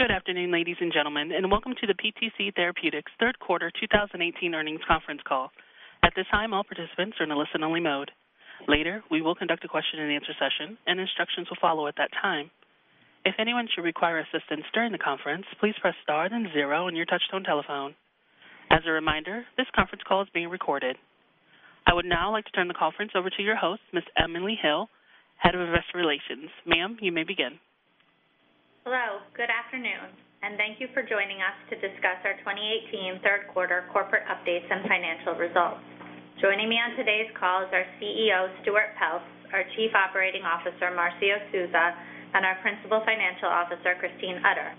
Good afternoon, ladies and gentlemen, and welcome to the PTC Therapeutics third quarter 2018 earnings conference call. At this time, all participants are in a listen-only mode. Later, we will conduct a question and answer session, and instructions will follow at that time. If anyone should require assistance during the conference, please press star then zero on your touchtone telephone. As a reminder, this conference call is being recorded. I would now like to turn the conference over to your host, Ms. Emily Hill, Head of Investor Relations. Ma'am, you may begin. Hello. Good afternoon, and thank you for joining us to discuss our 2018 third quarter corporate updates and financial results. Joining me on today's call is our CEO, Stuart Peltz, our Chief Operating Officer, Marcio Souza, and our Principal Financial Officer, Christine Utter.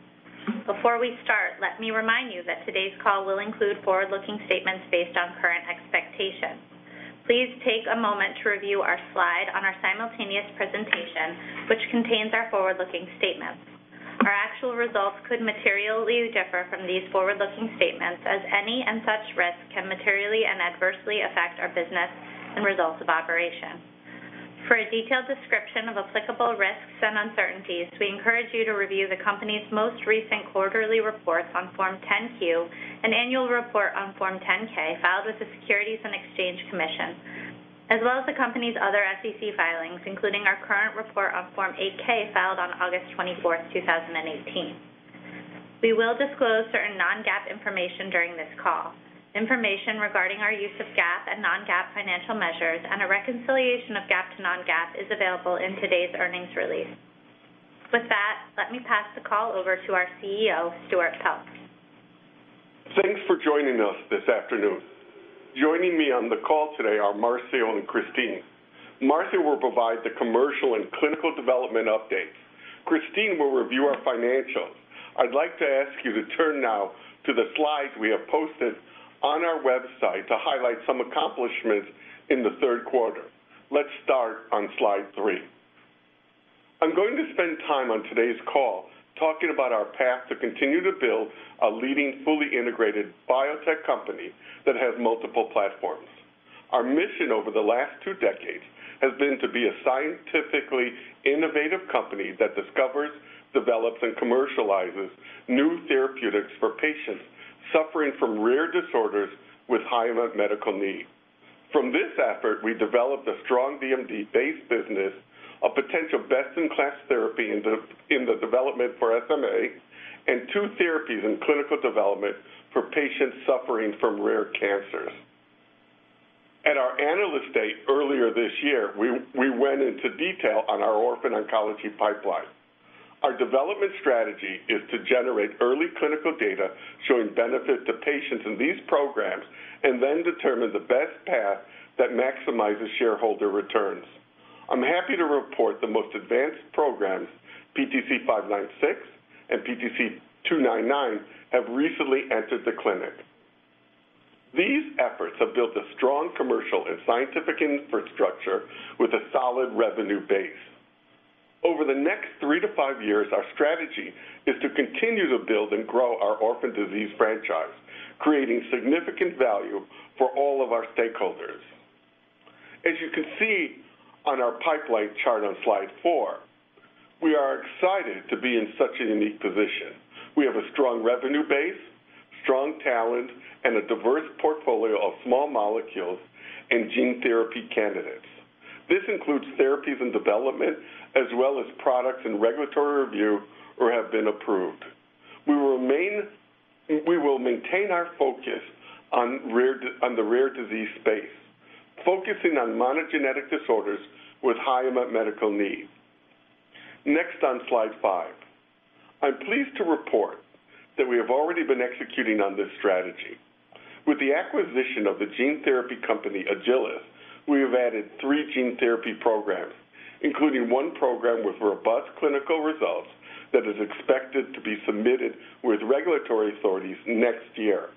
Before we start, let me remind you that today's call will include forward-looking statements based on current expectations. Please take a moment to review our slide on our simultaneous presentation, which contains our forward-looking statements. Our actual results could materially differ from these forward-looking statements, as any and such risks can materially and adversely affect our business and results of operation. For a detailed description of applicable risks and uncertainties, we encourage you to review the company's most recent quarterly reports on Form 10-Q and annual report on Form 10-K filed with the Securities and Exchange Commission, as well as the company's other SEC filings, including our current report on Form 8-K filed on August 24th, 2018. We will disclose certain non-GAAP information during this call. Information regarding our use of GAAP and non-GAAP financial measures and a reconciliation of GAAP to non-GAAP is available in today's earnings release. With that, let me pass the call over to our CEO, Stuart Peltz. Thanks for joining us this afternoon. Joining me on the call today are Marcio and Christine. Marcio will provide the commercial and clinical development updates. Christine will review our financials. I'd like to ask you to turn now to the slides we have posted on our website to highlight some accomplishments in the third quarter. Let's start on slide three. I'm going to spend time on today's call talking about our path to continue to build a leading fully integrated biotech company that has multiple platforms. Our mission over the last two decades has been to be a scientifically innovative company that discovers, develops, and commercializes new therapeutics for patients suffering from rare disorders with high unmet medical need. From this effort, we developed a strong DMD base business, a potential best-in-class therapy in the development for SMA, and two therapies in clinical development for patients suffering from rare cancers. At our Analyst Day earlier this year, we went into detail on our orphan oncology pipeline. Our development strategy is to generate early clinical data showing benefit to patients in these programs, and then determine the best path that maximizes shareholder returns. I am happy to report the most advanced programs, PTC299 and PTC596, have recently entered the clinic. These efforts have built a strong commercial and scientific infrastructure with a solid revenue base. Over the next three to five years, our strategy is to continue to build and grow our orphan disease franchise, creating significant value for all of our stakeholders. As you can see on our pipeline chart on slide four, we are excited to be in such a unique position. We have a strong revenue base, strong talent, and a diverse portfolio of small molecules and gene therapy candidates. This includes therapies in development, as well as products in regulatory review or have been approved. We will maintain our focus on the rare disease space, focusing on monogenetic disorders with high unmet medical needs. Next, on slide five. I am pleased to report that we have already been executing on this strategy. With the acquisition of the gene therapy company, Agilis, we have added three gene therapy programs, including one program with robust clinical results that is expected to be submitted with regulatory authorities next year.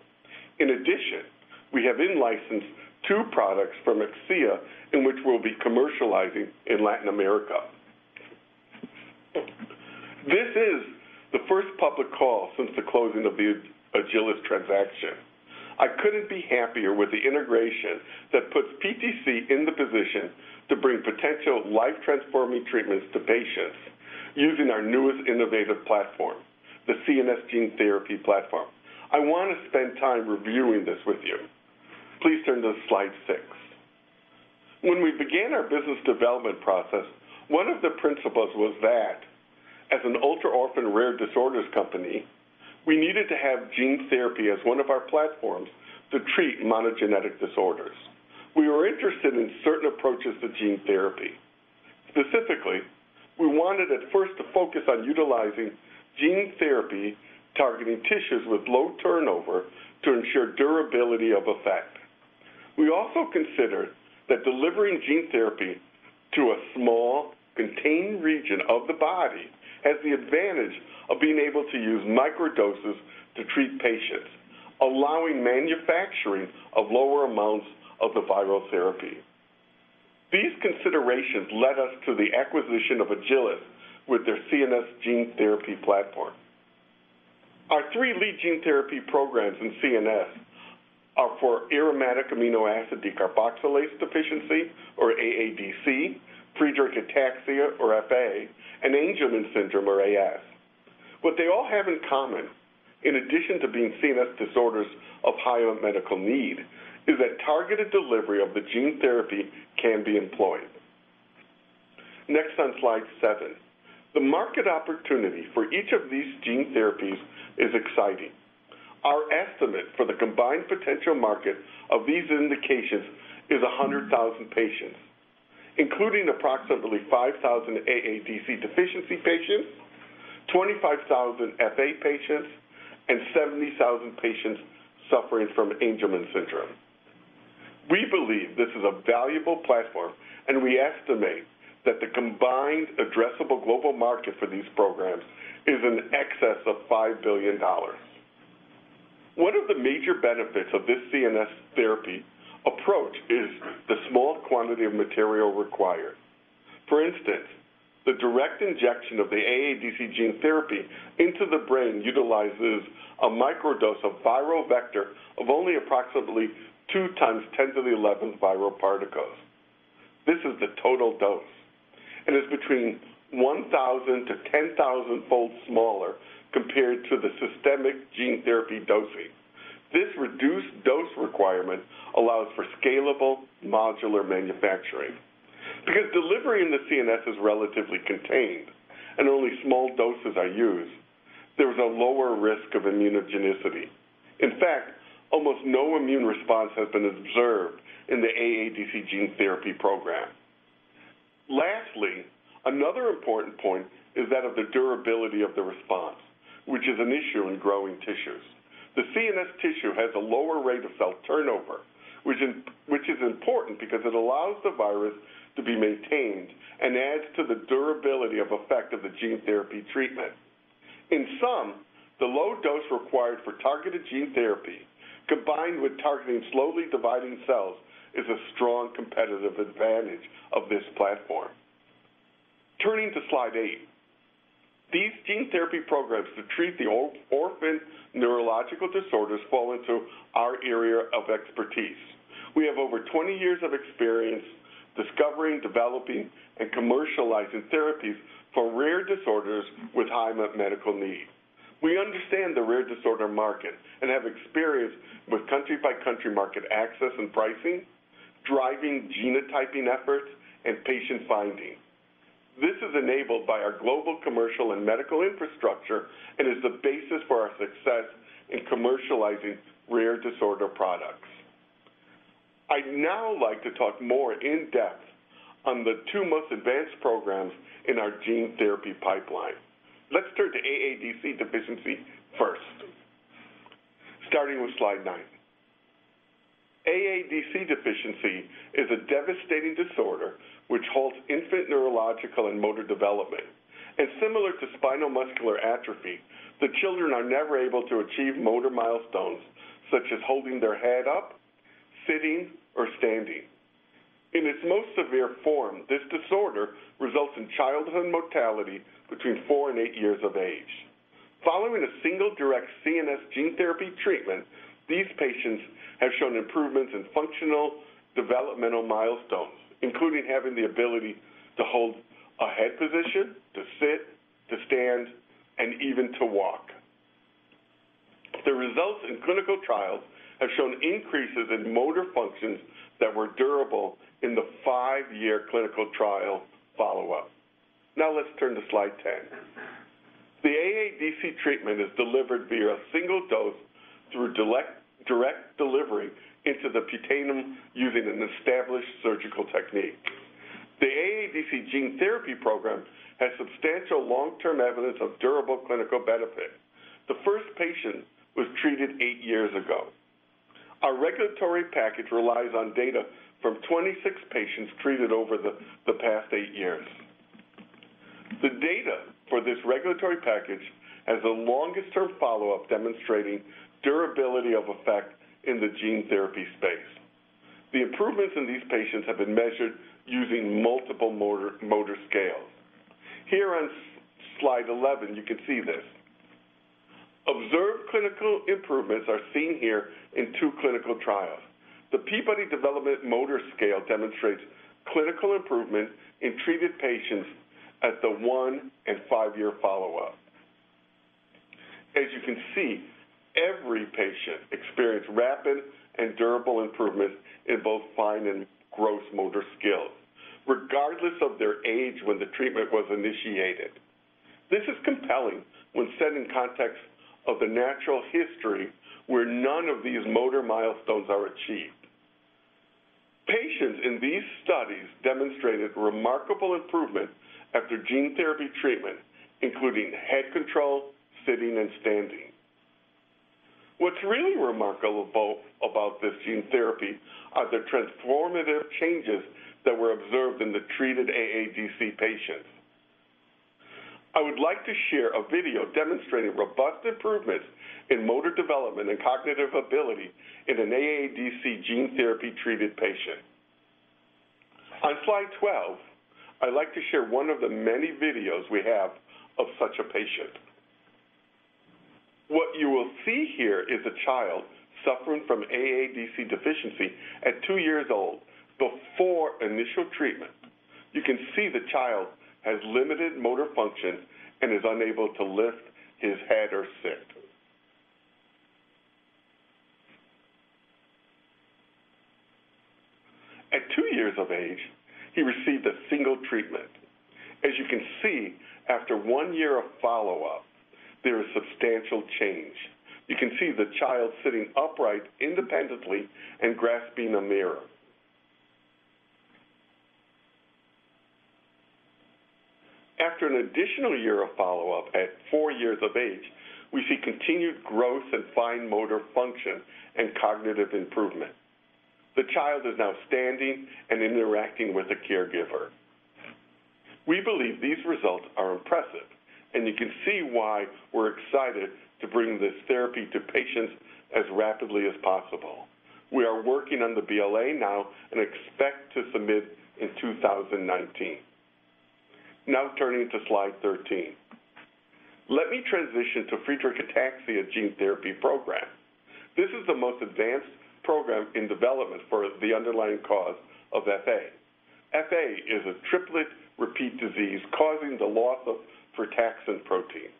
In addition, we have in-licensed two products from Akcea, in which we will be commercializing in Latin America. This is the first public call since the closing of the Agilis transaction. I could not be happier with the integration that puts PTC in the position to bring potential life-transforming treatments to patients using our newest innovative platform, the CNS gene therapy platform. I want to spend time reviewing this with you. Please turn to slide six. When we began our business development process, one of the principles was that as an ultra-orphan rare disorders company, we needed to have gene therapy as one of our platforms to treat monogenetic disorders. We were interested in certain approaches to gene therapy. Specifically, we wanted at first to focus on utilizing gene therapy targeting tissues with low turnover to ensure durability of effect. We also considered that delivering gene therapy to a small, contained region of the body has the advantage of being able to use microdoses to treat patients, allowing manufacturing of lower amounts of the viral therapy. These considerations led us to the acquisition of Agilis with their CNS gene therapy platform. Our three lead gene therapy programs in CNS are for Aromatic L-amino acid decarboxylase deficiency, or AADC, Friedreich's ataxia, or FA, and Angelman syndrome, or AS. What they all have in common, in addition to being CNS disorders of high medical need, is that targeted delivery of the gene therapy can be employed. Next, on slide seven, the market opportunity for each of these gene therapies is exciting. Our estimate for the combined potential market of these indications is 100,000 patients, including approximately 5,000 AADC deficiency patients, 25,000 FA patients, and 70,000 patients suffering from Angelman syndrome. We believe this is a valuable platform, and we estimate that the combined addressable global market for these programs is in excess of $5 billion. One of the major benefits of this CNS therapy approach is the small quantity of material required. For instance, the direct injection of the AADC gene therapy into the brain utilizes a microdose of viral vector of only approximately two times 10 to the 11th viral particles. This is the total dose, and is between 1,000 to 10,000-fold smaller compared to the systemic gene therapy dosing. This reduced dose requirement allows for scalable modular manufacturing. Because delivery in the CNS is relatively contained and only small doses are used, there is a lower risk of immunogenicity. In fact, almost no immune response has been observed in the AADC gene therapy program. Lastly, another important point is that of the durability of the response, which is an issue in growing tissues. The CNS tissue has a lower rate of cell turnover, which is important because it allows the virus to be maintained and adds to the durability of effect of the gene therapy treatment. In sum, the low dose required for targeted gene therapy, combined with targeting slowly dividing cells, is a strong competitive advantage of this platform. Turning to slide eight. These gene therapy programs to treat the orphan neurological disorders fall into our area of expertise. We have over 20 years of experience discovering, developing, and commercializing therapies for rare disorders with high medical need. We understand the rare disorder market and have experience with country-by-country market access and pricing, driving genotyping efforts, and patient finding. This is enabled by our global commercial and medical infrastructure and is the basis for our success in commercializing rare disorder products. I'd now like to talk more in depth on the two most advanced programs in our gene therapy pipeline. Let's turn to AADC deficiency first, starting with slide nine. AADC deficiency is a devastating disorder which halts infant neurological and motor development, and similar to spinal muscular atrophy, the children are never able to achieve motor milestones such as holding their head up, sitting, or standing. In its most severe form, this disorder results in childhood mortality between four and eight years of age. Following a single direct CNS gene therapy treatment, these patients have shown improvements in functional developmental milestones, including having the ability to hold a head position, to sit, to stand, and even to walk. The results in clinical trials have shown increases in motor functions that were durable in the five-year clinical trial follow-up. Now, let's turn to slide 10. The AADC treatment is delivered via a single dose through direct delivery into the putamen using an established surgical technique. The AADC gene therapy program has substantial long-term evidence of durable clinical benefit. The first patient was treated eight years ago. Our regulatory package relies on data from 26 patients treated over the past eight years. The data for this regulatory package has the longest term follow-up demonstrating durability of effect in the gene therapy space. The improvements in these patients have been measured using multiple motor scales. Here on slide 11, you can see this. Observed clinical improvements are seen here in two clinical trials. The Peabody Developmental Motor Scale demonstrates clinical improvement in treated patients at the one and five-year follow-up. As you can see, every patient experienced rapid and durable improvements in both fine and gross motor skills, regardless of their age when the treatment was initiated. This is compelling when set in context of the natural history where none of these motor milestones are achieved. Patients in these studies demonstrated remarkable improvement after gene therapy treatment, including head control, sitting, and standing. What's really remarkable about this gene therapy are the transformative changes that were observed in the treated AADC patients. I would like to share a video demonstrating robust improvements in motor development and cognitive ability in an AADC gene therapy-treated patient. On slide 12, I'd like to share one of the many videos we have of such a patient. What you will see here is a child suffering from AADC deficiency at two years old, before initial treatment. You can see the child has limited motor function and is unable to lift his head or sit. At two years of age, he received a single treatment. You can see, after one year of follow-up, there is substantial change. You can see the child sitting upright independently and grasping a mirror. After an additional year of follow-up at four years of age, we see continued growth in fine motor function and cognitive improvement. The child is now standing and interacting with a caregiver. We believe these results are impressive, and you can see why we're excited to bring this therapy to patients as rapidly as possible. We are working on the BLA now and expect to submit in 2019. Turning to slide 13, let me transition to Friedreich's ataxia gene therapy program. This is the most advanced program in development for the underlying cause of FA. FA is a triplet repeat disease causing the loss of frataxin protein.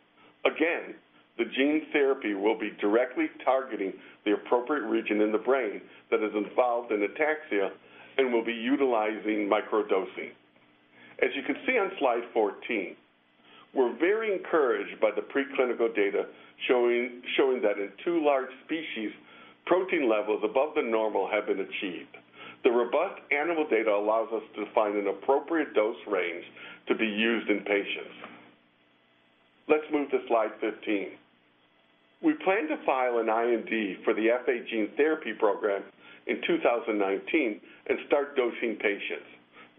Again, the gene therapy will be directly targeting the appropriate region in the brain that is involved in ataxia and will be utilizing microdosing. You can see on slide 14, we're very encouraged by the preclinical data showing that in two large species, protein levels above the normal have been achieved. The robust animal data allows us to find an appropriate dose range to be used in patients. Let's move to slide 15. We plan to file an IND for the FA gene therapy program in 2019 and start dosing patients.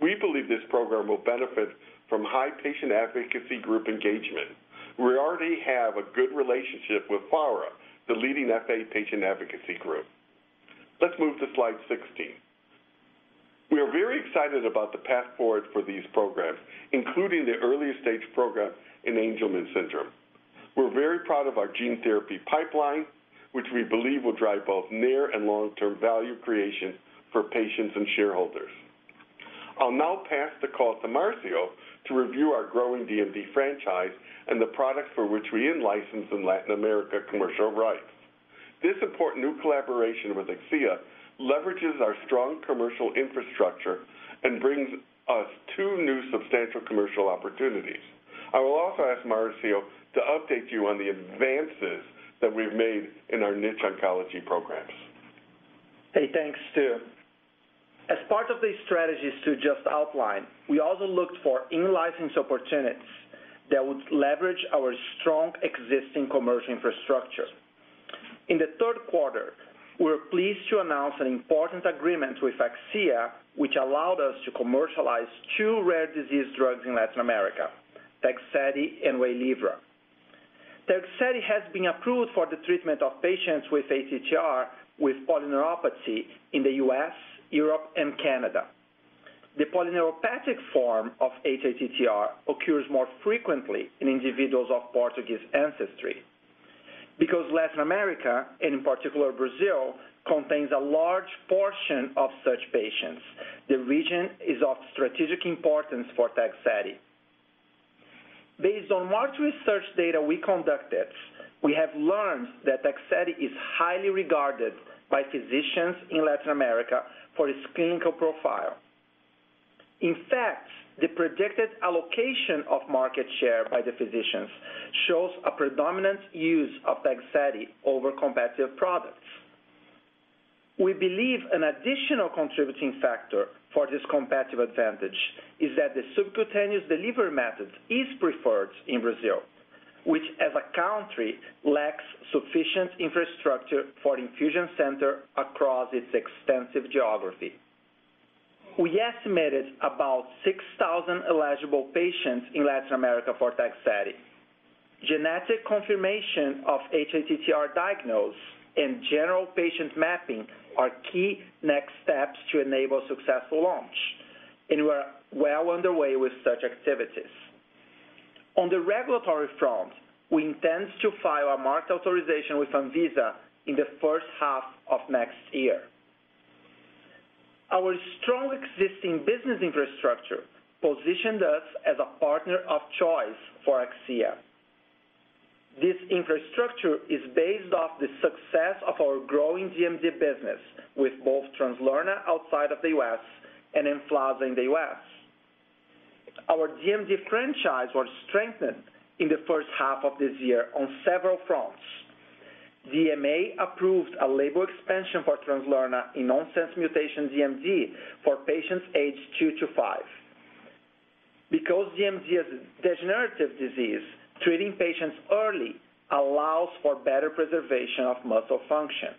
We believe this program will benefit from high patient advocacy group engagement. We already have a good relationship with FARA, the leading FA patient advocacy group. Let's move to slide 16. We are very excited about the path forward for these programs, including the earliest stage program in Angelman syndrome. We're very proud of our gene therapy pipeline, which we believe will drive both near and long-term value creation for patients and shareholders. I'll now pass the call to Marcio to review our growing DMD franchise and the products for which we in-license in Latin America commercial rights. This important new collaboration with Akcea leverages our strong commercial infrastructure and brings us two new substantial commercial opportunities. I will also ask Marcio to update you on the advances that we've made in our niche oncology programs. Hey, thanks, Stu. As part of the strategies Stu just outlined, we also looked for in-license opportunities that would leverage our strong existing commercial infrastructure. In the third quarter, we were pleased to announce an important agreement with Akcea, which allowed us to commercialize two rare disease drugs in Latin America, Tegsedi and Waylivra. Tegsedi has been approved for the treatment of patients with hATTR with polyneuropathy in the U.S., Europe, and Canada. The polyneuropathic form of hATTR occurs more frequently in individuals of Portuguese ancestry. Because Latin America, and in particular Brazil, contains a large portion of such patients, the region is of strategic importance for Tegsedi. Based on market research data we conducted, we have learned that Tegsedi is highly regarded by physicians in Latin America for its clinical profile. In fact, the predicted allocation of market share by the physicians shows a predominant use of Tegsedi over competitive products. We believe an additional contributing factor for this competitive advantage is that the subcutaneous delivery method is preferred in Brazil, which as a country lacks sufficient infrastructure for infusion center across its extensive geography. We estimated about 6,000 eligible patients in Latin America for Tegsedi. Genetic confirmation of hATTR diagnosis and general patient mapping are key next steps to enable successful launch, and we are well underway with such activities. On the regulatory front, we intend to file a market authorization with Anvisa in the first half of next year. Our strong existing business infrastructure positioned us as a partner of choice for Akcea. This infrastructure is based off the success of our growing DMD business with both Translarna outside of the U.S. and EMFLAZA in the U.S. Our DMD franchise was strengthened in the first half of this year on several fronts. The EMA approved a label expansion for Translarna in nonsense mutation DMD for patients aged two to five. Because DMD is a degenerative disease, treating patients early allows for better preservation of muscle function.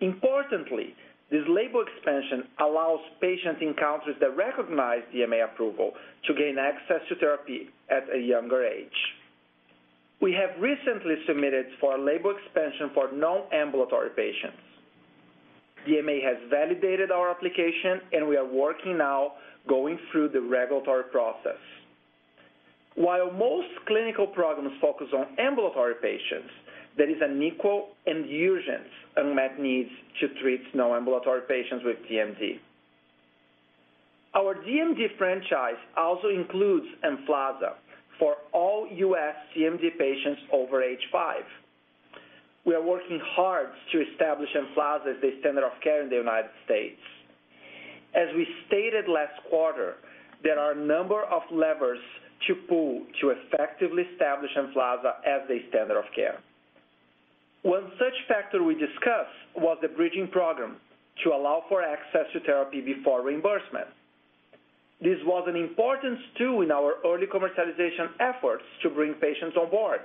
Importantly, this label expansion allows patient encounters that recognize DMD approval to gain access to therapy at a younger age. We have recently submitted for a label expansion for non-ambulatory patients. The EMA has validated our application, and we are working now going through the regulatory process. While most clinical programs focus on ambulatory patients, there is an equal and urgent unmet need to treat non-ambulatory patients with DMD. Our DMD franchise also includes EMFLAZA for all U.S. DMD patients over age 5. We are working hard to establish EMFLAZA as the standard of care in the United States. As we stated last quarter, there are a number of levers to pull to effectively establish EMFLAZA as a standard of care. One such factor we discussed was the bridging program to allow for access to therapy before reimbursement. This was important, too, in our early commercialization efforts to bring patients on board.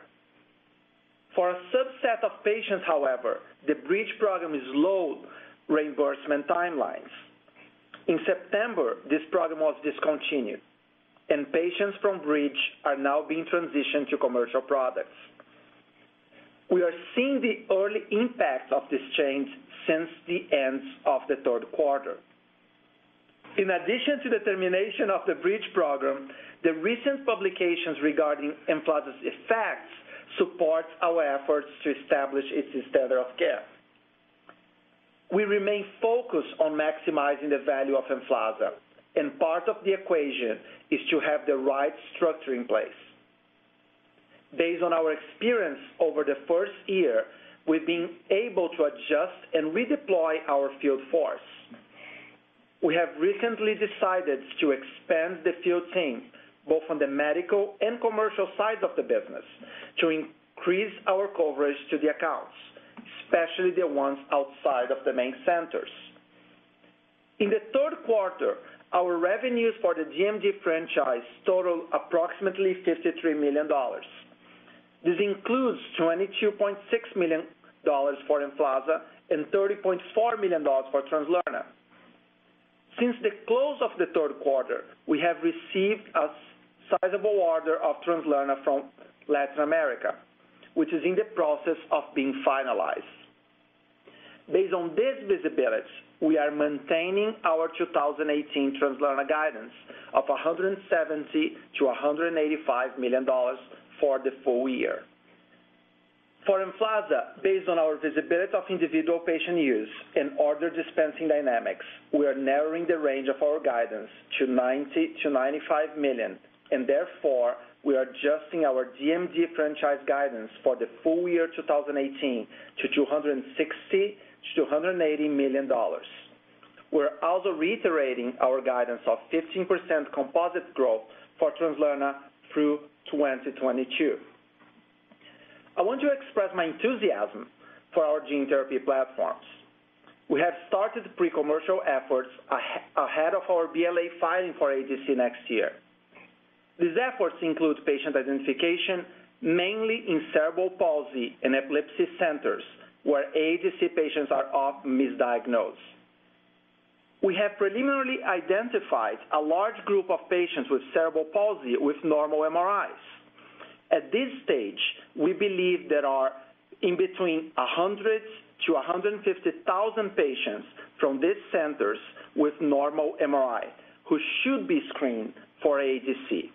For a subset of patients, however, the bridge program is low reimbursement timelines. In September, this program was discontinued, and patients from Bridge are now being transitioned to commercial products. We are seeing the early impact of this change since the end of the third quarter. In addition to the termination of the Bridge program, the recent publications regarding EMFLAZA's effects support our efforts to establish its standard of care. We remain focused on maximizing the value of EMFLAZA, and part of the equation is to have the right structure in place. Based on our experience over the first year, we've been able to adjust and redeploy our field force. We have recently decided to expand the field team, both on the medical and commercial side of the business, to increase our coverage to the accounts, especially the ones outside of the main centers. In the third quarter, our revenues for the DMD franchise totaled approximately $53 million. This includes $22.6 million for EMFLAZA and $30.4 million for Translarna. Since the close of the third quarter, we have received a sizable order of Translarna from Latin America, which is in the process of being finalized. Based on this visibility, we are maintaining our 2018 Translarna guidance of $170 million-$185 million for the full year. For EMFLAZA, based on our visibility of individual patient use and order dispensing dynamics, we are narrowing the range of our guidance to $90 million-$95 million. Therefore, we are adjusting our DMD franchise guidance for the full year 2018 to $260 million-$280 million. We're also reiterating our guidance of 15% composite growth for Translarna through 2022. I want to express my enthusiasm for our gene therapy platforms. We have started pre-commercial efforts ahead of our BLA filing for AADC next year. These efforts include patient identification, mainly in cerebral palsy and epilepsy centers, where AADC patients are often misdiagnosed. We have preliminarily identified a large group of patients with cerebral palsy with normal MRIs. At this stage, we believe there are in between 100,000-150,000 patients from these centers with normal MRI who should be screened for AADC.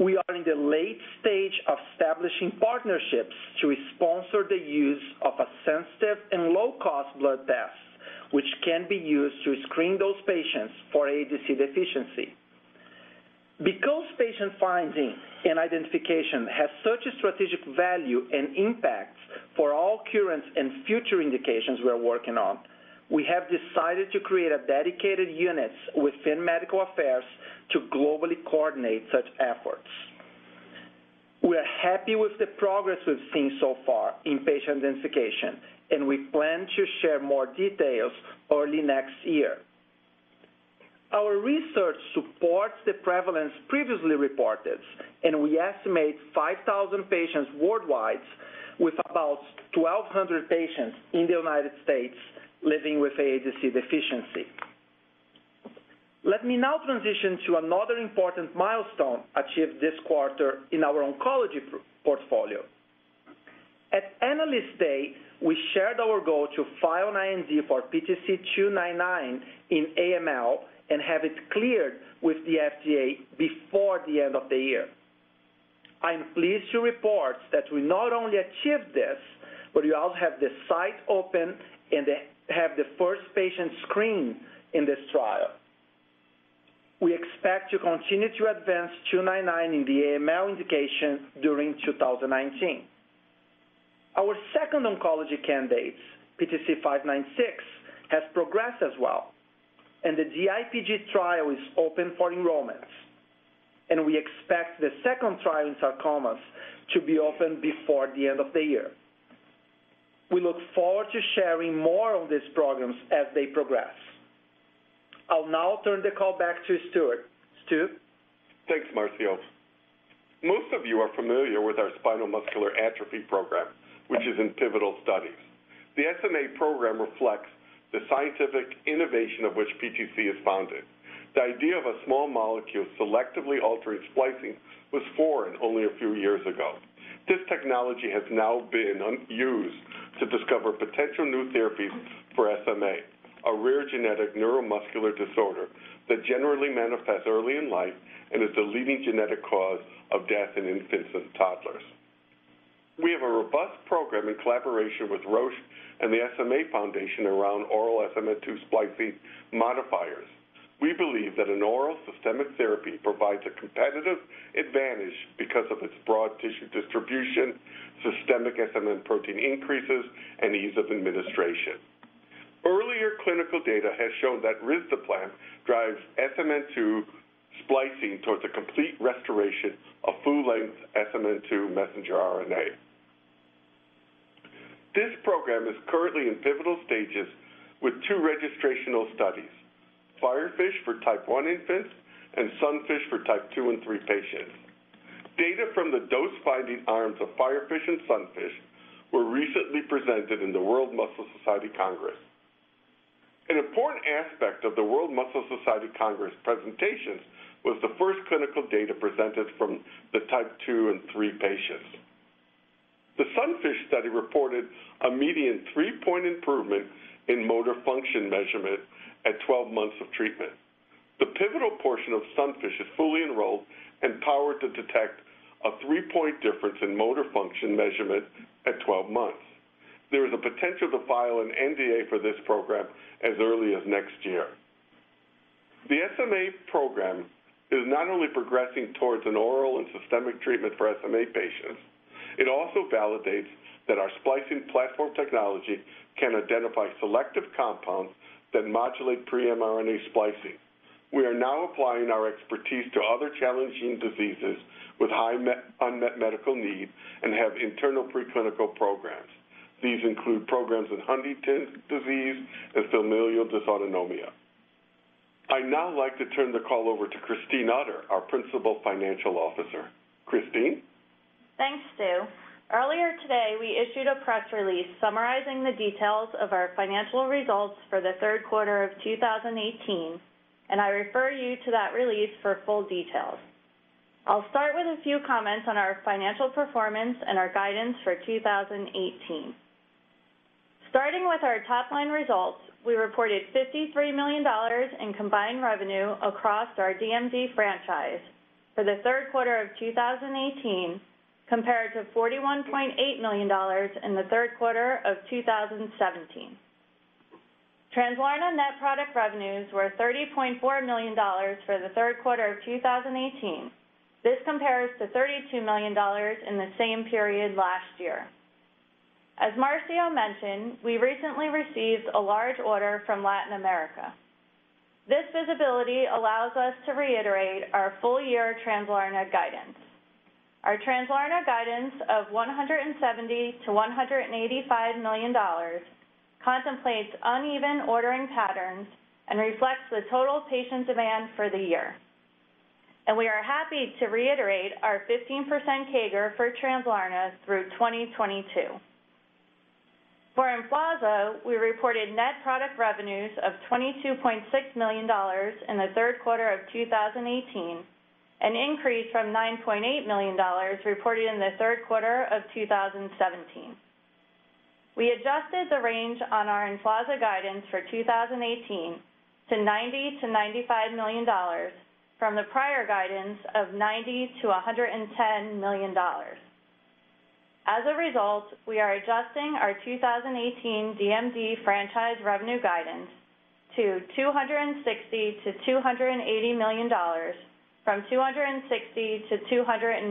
We are in the late stage of establishing partnerships to sponsor the use of a sensitive and low-cost blood test, which can be used to screen those patients for AADC deficiency. Because patient finding and identification have such a strategic value and impact for all current and future indications we are working on, we have decided to create dedicated units within medical affairs to globally coordinate such efforts. We are happy with the progress we've seen so far in patient identification, and we plan to share more details early next year. Our research supports the prevalence previously reported. We estimate 5,000 patients worldwide, with about 1,200 patients in the U.S. living with AADC deficiency. Let me now transition to another important milestone achieved this quarter in our oncology portfolio. At Analyst Day, we shared our goal to file an IND for PTC299 in AML and have it cleared with the FDA before the end of the year. I am pleased to report that we not only achieved this. We also have the site open and have the first patient screened in this trial. We expect to continue to advance 299 in the AML indication during 2019. Our second oncology candidate, PTC596, has progressed as well. The DIPG trial is open for enrollment. We expect the second trial in sarcomas to be open before the end of the year. We look forward to sharing more on these programs as they progress. I'll now turn the call back to Stuart. Stu? Thanks, Marcio. Most of you are familiar with our spinal muscular atrophy program, which is in pivotal studies. The SMA program reflects the scientific innovation of which PTC is founded. The idea of a small molecule selectively altering splicing was foreign only a few years ago. This technology has now been used to discover potential new therapies for SMA, a rare genetic neuromuscular disorder that generally manifests early in life and is the leading genetic cause of death in infants and toddlers. We have a robust program in collaboration with Roche and the SMA Foundation around oral SMN2 splicing modifiers. We believe that an oral systemic therapy provides a competitive advantage because of its broad tissue distribution, systemic SMN protein increases, and ease of administration. Earlier clinical data has shown that risdiplam drives SMN2 splicing towards a complete restoration of full-length SMN2 messenger RNA. This program is currently in pivotal stages with 2 registrational studies, FIREFISH for type 1 infants and SUNFISH for type 2 and 3 patients. Data from the dose-finding arms of FIREFISH and SUNFISH were recently presented in the World Muscle Society Congress. An important aspect of the World Muscle Society Congress presentations was the first clinical data presented from the type 2 and 3 patients. The SUNFISH study reported a median 3-point improvement in motor function measurement at 12 months of treatment. The pivotal portion of SUNFISH is fully enrolled and powered to detect a 3-point difference in motor function measurement at 12 months. There is a potential to file an NDA for this program as early as next year. The SMA program is not only progressing towards an oral and systemic treatment for SMA patients, it also validates that our splicing platform technology can identify selective compounds that modulate pre-mRNA splicing. We are now applying our expertise to other challenging diseases with high unmet medical need and have internal preclinical programs. These include programs in Huntington's disease and familial dysautonomia. I'd now like to turn the call over to Christine Utter, our Principal Financial Officer. Christine? Thanks, Stu. Earlier today, we issued a press release summarizing the details of our financial results for the third quarter of 2018, and I refer you to that release for full details. I'll start with a few comments on our financial performance and our guidance for 2018. Starting with our top-line results, we reported $53 million in combined revenue across our DMD franchise for the third quarter of 2018, compared to $41.8 million in the third quarter of 2017. Translarna net product revenues were $30.4 million for the third quarter of 2018. This compares to $32 million in the same period last year. As Marcio mentioned, we recently received a large order from Latin America. This visibility allows us to reiterate our full-year Translarna guidance. Our Translarna guidance of $170 million-$185 million contemplates uneven ordering patterns and reflects the total patient demand for the year. We are happy to reiterate our 15% CAGR for Translarna through 2022. For EMFLAZA, we reported net product revenues of $22.6 million in the third quarter of 2018, an increase from $9.8 million reported in the third quarter of 2017. We adjusted the range on our EMFLAZA guidance for 2018 to $90 million-$95 million from the prior guidance of $90 million-$110 million. As a result, we are adjusting our 2018 DMD franchise revenue guidance to $260 million-$280 million from $260 million-$295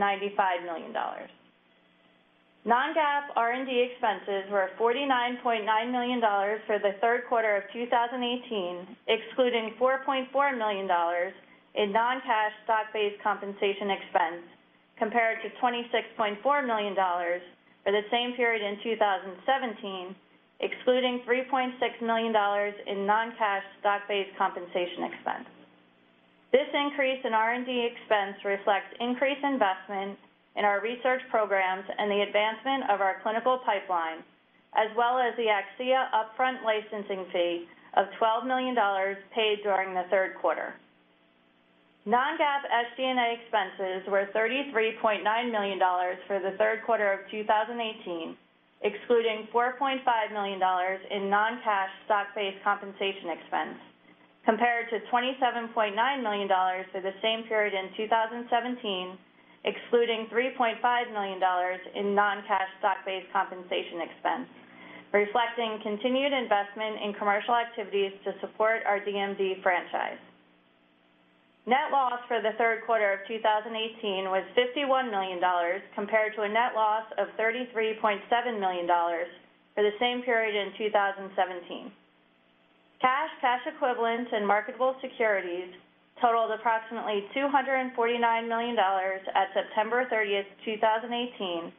million. Non-GAAP R&D expenses were $49.9 million for the third quarter of 2018, excluding $4.4 million in non-cash stock-based compensation expense, compared to $26.4 million for the same period in 2017, excluding $3.6 million in non-cash stock-based compensation expense. This increase in R&D expense reflects increased investment in our research programs and the advancement of our clinical pipeline, as well as the Akcea upfront licensing fee of $12 million paid during the third quarter. Non-GAAP SG&A expenses were $33.9 million for the third quarter of 2018, excluding $4.5 million in non-cash stock-based compensation expense, compared to $27.9 million for the same period in 2017, excluding $3.5 million in non-cash stock-based compensation expense, reflecting continued investment in commercial activities to support our DMD franchise. Net loss for the third quarter of 2018 was $51 million, compared to a net loss of $33.7 million for the same period in 2017. Cash, cash equivalents, and marketable securities totaled approximately $249 million at September 30, 2018,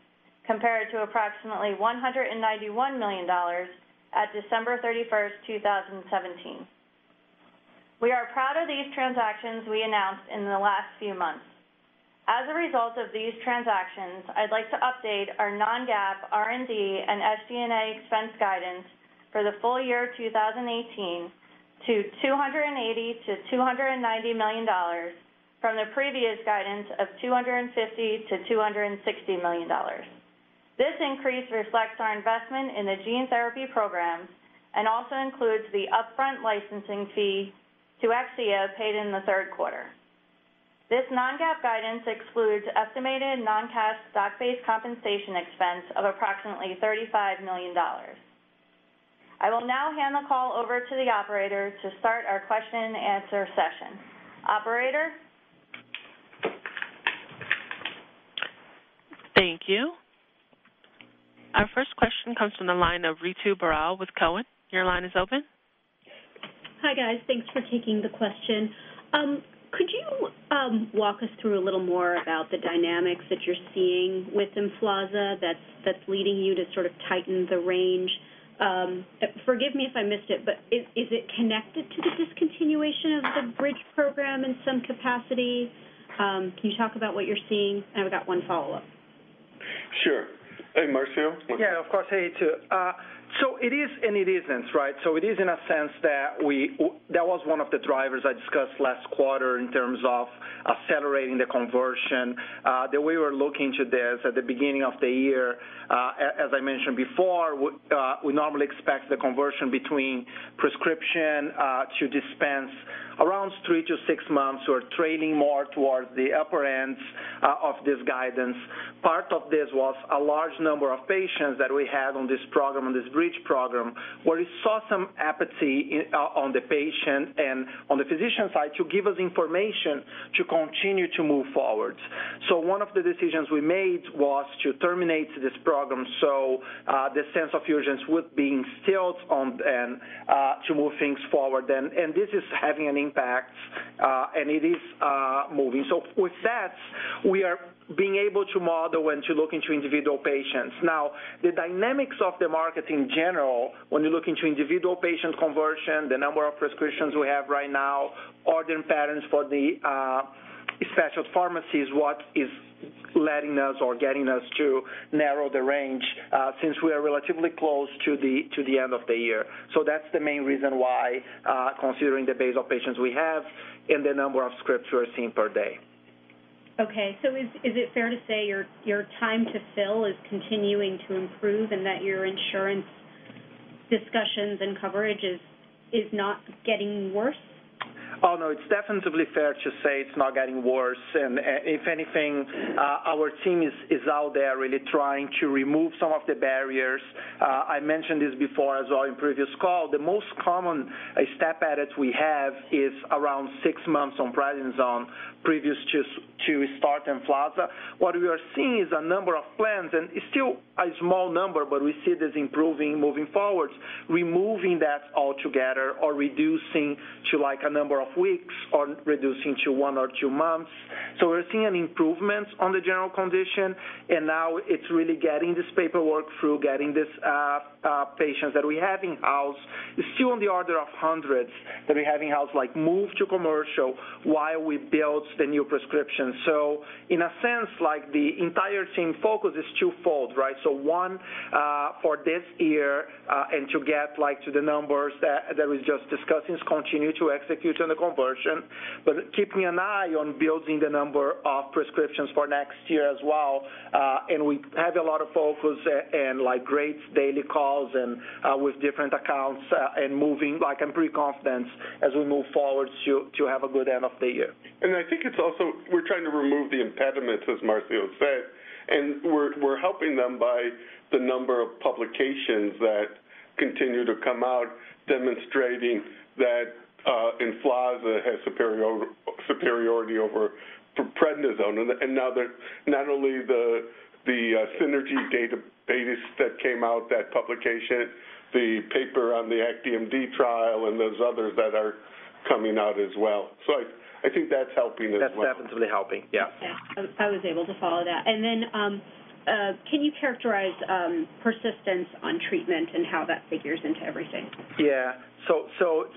compared to approximately $191 million at December 31, 2017. We are proud of these transactions we announced in the last few months. As a result of these transactions, I'd like to update our non-GAAP R&D and SG&A expense guidance for the full year 2018 to $280 million-$290 million from the previous guidance of $250 million-$260 million. This increase reflects our investment in the gene therapy programs and also includes the upfront licensing fee to Akcea paid in the third quarter. This non-GAAP guidance excludes estimated non-cash stock-based compensation expense of approximately $35 million. I will now hand the call over to the operator to start our question and answer session. Operator? Thank you. Our first question comes from the line of Ritu Baral with Cowen. Your line is open. Hi, guys. Thanks for taking the question. Could you walk us through a little more about the dynamics that you're seeing with EMFLAZA that's leading you to sort of tighten the range? Forgive me if I missed it, but is it connected to the discontinuation of the bridge program in some capacity? Can you talk about what you're seeing? I've got one follow-up. Sure. Hey, Marcio. Yeah, of course. Hey, Ritu. It is and it isn't, right? It is in a sense that was one of the drivers I discussed last quarter in terms of accelerating the conversion, that we were looking to this at the beginning of the year. As I mentioned before, we normally expect the conversion between prescription to dispense around 3 to 6 months. We're trending more towards the upper ends of this guidance. Part of this was a large number of patients that we had on this bridge program, where we saw some apathy on the patient and on the physician side to give us information to continue to move forward. One of the decisions we made was to terminate this program so the sense of urgency would be instilled to move things forward then. This is having an impact, and it is moving. With that, we are being able to model and to look into individual patients. Now, the dynamics of the market in general, when you look into individual patient conversion, the number of prescriptions we have right now, ordering patterns for the specialty pharmacy is what is letting us or getting us to narrow the range, since we are relatively close to the end of the year. That's the main reason why, considering the base of patients we have and the number of scripts we are seeing per day. Okay. Is it fair to say your time to fill is continuing to improve and that your insurance discussions and coverage is not getting worse? Oh, no, it's definitely fair to say it's not getting worse. If anything, our team is out there really trying to remove some of the barriers. I mentioned this before as well in previous call. The most common step edits we have is around 6 months on prednisone previous to start EMFLAZA. What we are seeing is a number of plans, and it's still a small number, but we see this improving moving forward, removing that altogether or reducing to a number of weeks or reducing to one or two months. We're seeing improvements on the general condition, and now it's really getting this paperwork through, getting these patients that we have in-house. It's still on the order of hundreds that we have in-house, move to commercial while we build the new prescription. In a sense, the entire team focus is twofold, right? One, for this year, and to get to the numbers that we just discussed, is continue to execute on the conversion, but keeping an eye on building the number of prescriptions for next year as well. We have a lot of focus and great daily calls and with different accounts and moving. I'm pretty confident as we move forward to have a good end of the year. I think it's also we're trying to remove the impediments, as Marcio said, and we're helping them by the number of publications that continue to come out demonstrating that EMFLAZA has superiority over prednisone. Now not only the SYNERGY data that came out, that publication, the paper on the ACT DMD trial, and there's others that are coming out as well. I think that's helping as well. That's definitely helping. Yeah. Yeah. I was able to follow that. Can you characterize persistence on treatment and how that figures into everything? Yeah.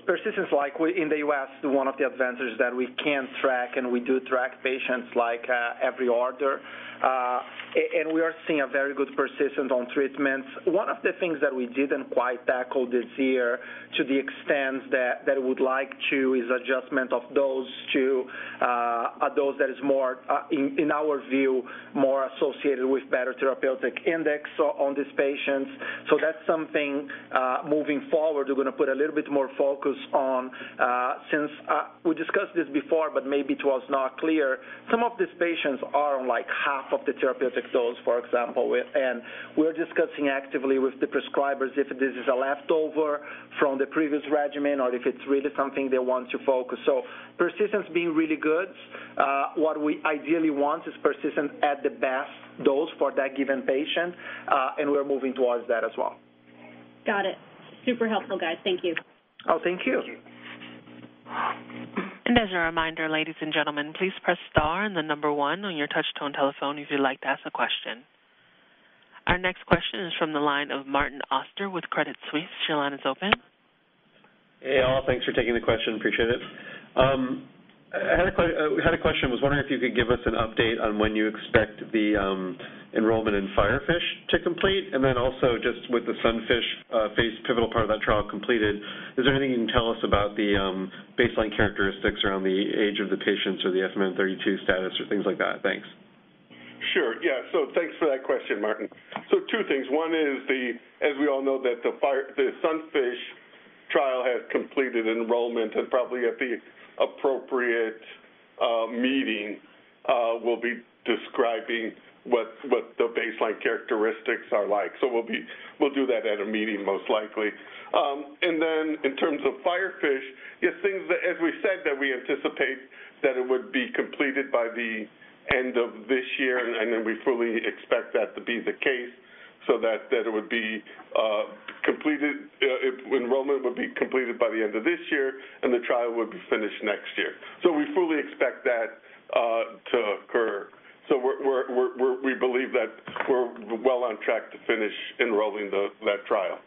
Persistence, like in the U.S., one of the advantages that we can track, and we do track patients every order. We are seeing a very good persistence on treatments. One of the things that we didn't quite tackle this year to the extent that we would like to is adjustment of dose to a dose that is, in our view, more associated with better therapeutic index on these patients. That's something, moving forward, we're going to put a little bit more focus on. Since we discussed this before, but maybe it was not clear, some of these patients are on half of the therapeutic dose, for example. We're discussing actively with the prescribers if this is a leftover from the previous regimen or if it's really something they want to focus. Persistence being really good. What we ideally want is persistence at the best dose for that given patient, and we're moving towards that as well. Got it. Super helpful, guys. Thank you. Oh, thank you. Thank you. As a reminder, ladies and gentlemen, please press star and the number 1 on your touch-tone telephone if you'd like to ask a question. Our next question is from the line of Martin Auster with Credit Suisse. Your line is open. Hey, all. Thanks for taking the question. Appreciate it. I had a question. Was wondering if you could give us an update on when you expect the enrollment in FIREFISH to complete, and also just with the SUNFISH phase pivotal part of that trial completed, is there anything you can tell us about the baseline characteristics around the age of the patients or the SMN2 status or things like that? Thanks. Sure. Yeah. Thanks for that question, Martin. Two things. One is the, as we all know, that the SUNFISH trial has completed enrollment and probably at the appropriate meeting, we'll be describing what the baseline characteristics are like. We'll do that at a meeting most likely. In terms of FIREFISH, as we said, that we anticipate that it would be completed by the end of this year, and we fully expect that to be the case, so that it would be completed, enrollment would be completed by the end of this year, and the trial would be finished next year. We fully expect that to occur. We believe that we're well on track to finish enrolling that trial.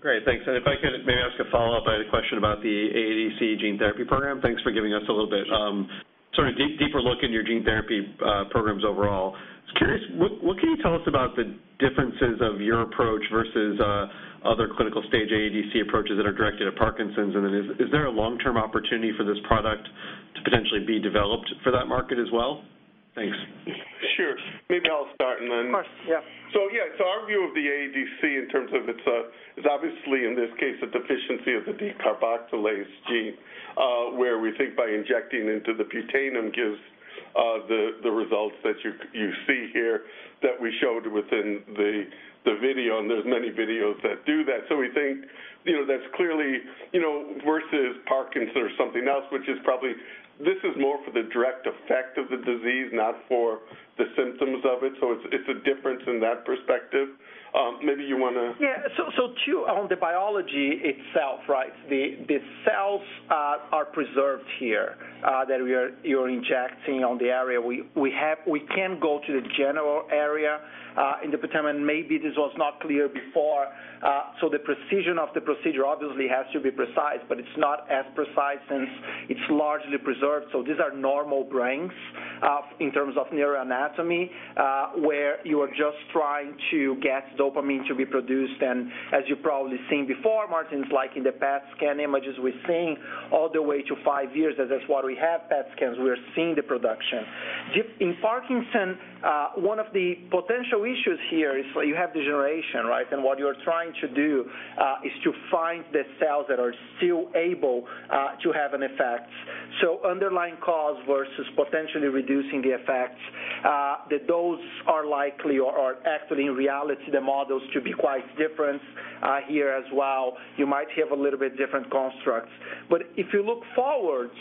Great. Thanks. If I could maybe ask a follow-up, I had a question about the AADC gene therapy program. Thanks for giving us a little bit, sort of deeper look in your gene therapy programs overall. I was curious, what can you tell us about the differences of your approach versus other clinical stage AADC approaches that are directed at Parkinson's? Is there a long-term opportunity for this product to potentially be developed for that market as well? Thanks. Sure. Maybe I'll start. Of course. Yeah. Yeah, so our view of the AADC in terms of it's obviously, in this case, a deficiency of the decarboxylase gene, where we think by injecting into the putamen gives the results that you see here that we showed within the video, and there's many videos that do that. We think that's clearly versus Parkinson's or something else, which is probably this is more for the direct effect of the disease, not for the symptoms of it. It's a difference in that perspective. Maybe you want to- Yeah. Two, on the biology itself, right? The cells are preserved here that we are injecting on the area. We can go to the general area in the putamen. Maybe this was not clear before. The precision of the procedure obviously has to be precise, but it's not as precise since it's largely preserved. These are normal brains, in terms of neuroanatomy, where you are just trying to get dopamine to be produced. As you've probably seen before, Martin, like in the PET scan images, we're seeing all the way to five years that that's why we have PET scans. We're seeing the production. In Parkinson's, one of the potential issues here is you have degeneration, right? What you're trying to do, is to find the cells that are still able to have an effect. Underlying cause versus potentially reducing the effects, that those are likely or actually in reality, the models to be quite different, here as well. You might have a little bit different constructs. If you look forwards,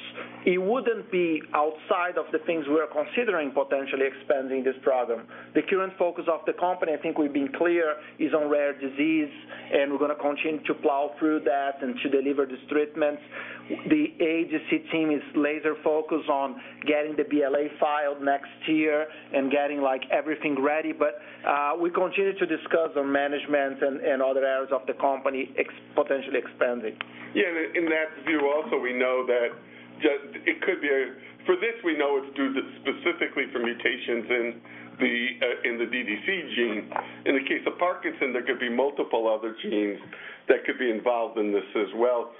it wouldn't be outside of the things we are considering potentially expanding this program. The current focus of the company, I think we've been clear, is on rare disease, and we're going to continue to plow through that and to deliver these treatments. The AADC team is laser focused on getting the BLA filed next year and getting everything ready. We continue to discuss the management and other areas of the company potentially expanding. Yeah. In that view also, we know that for this, we know it's due specifically for mutations in the DDC gene. In the case of Parkinson, there could be multiple other genes that could be involved in this as well.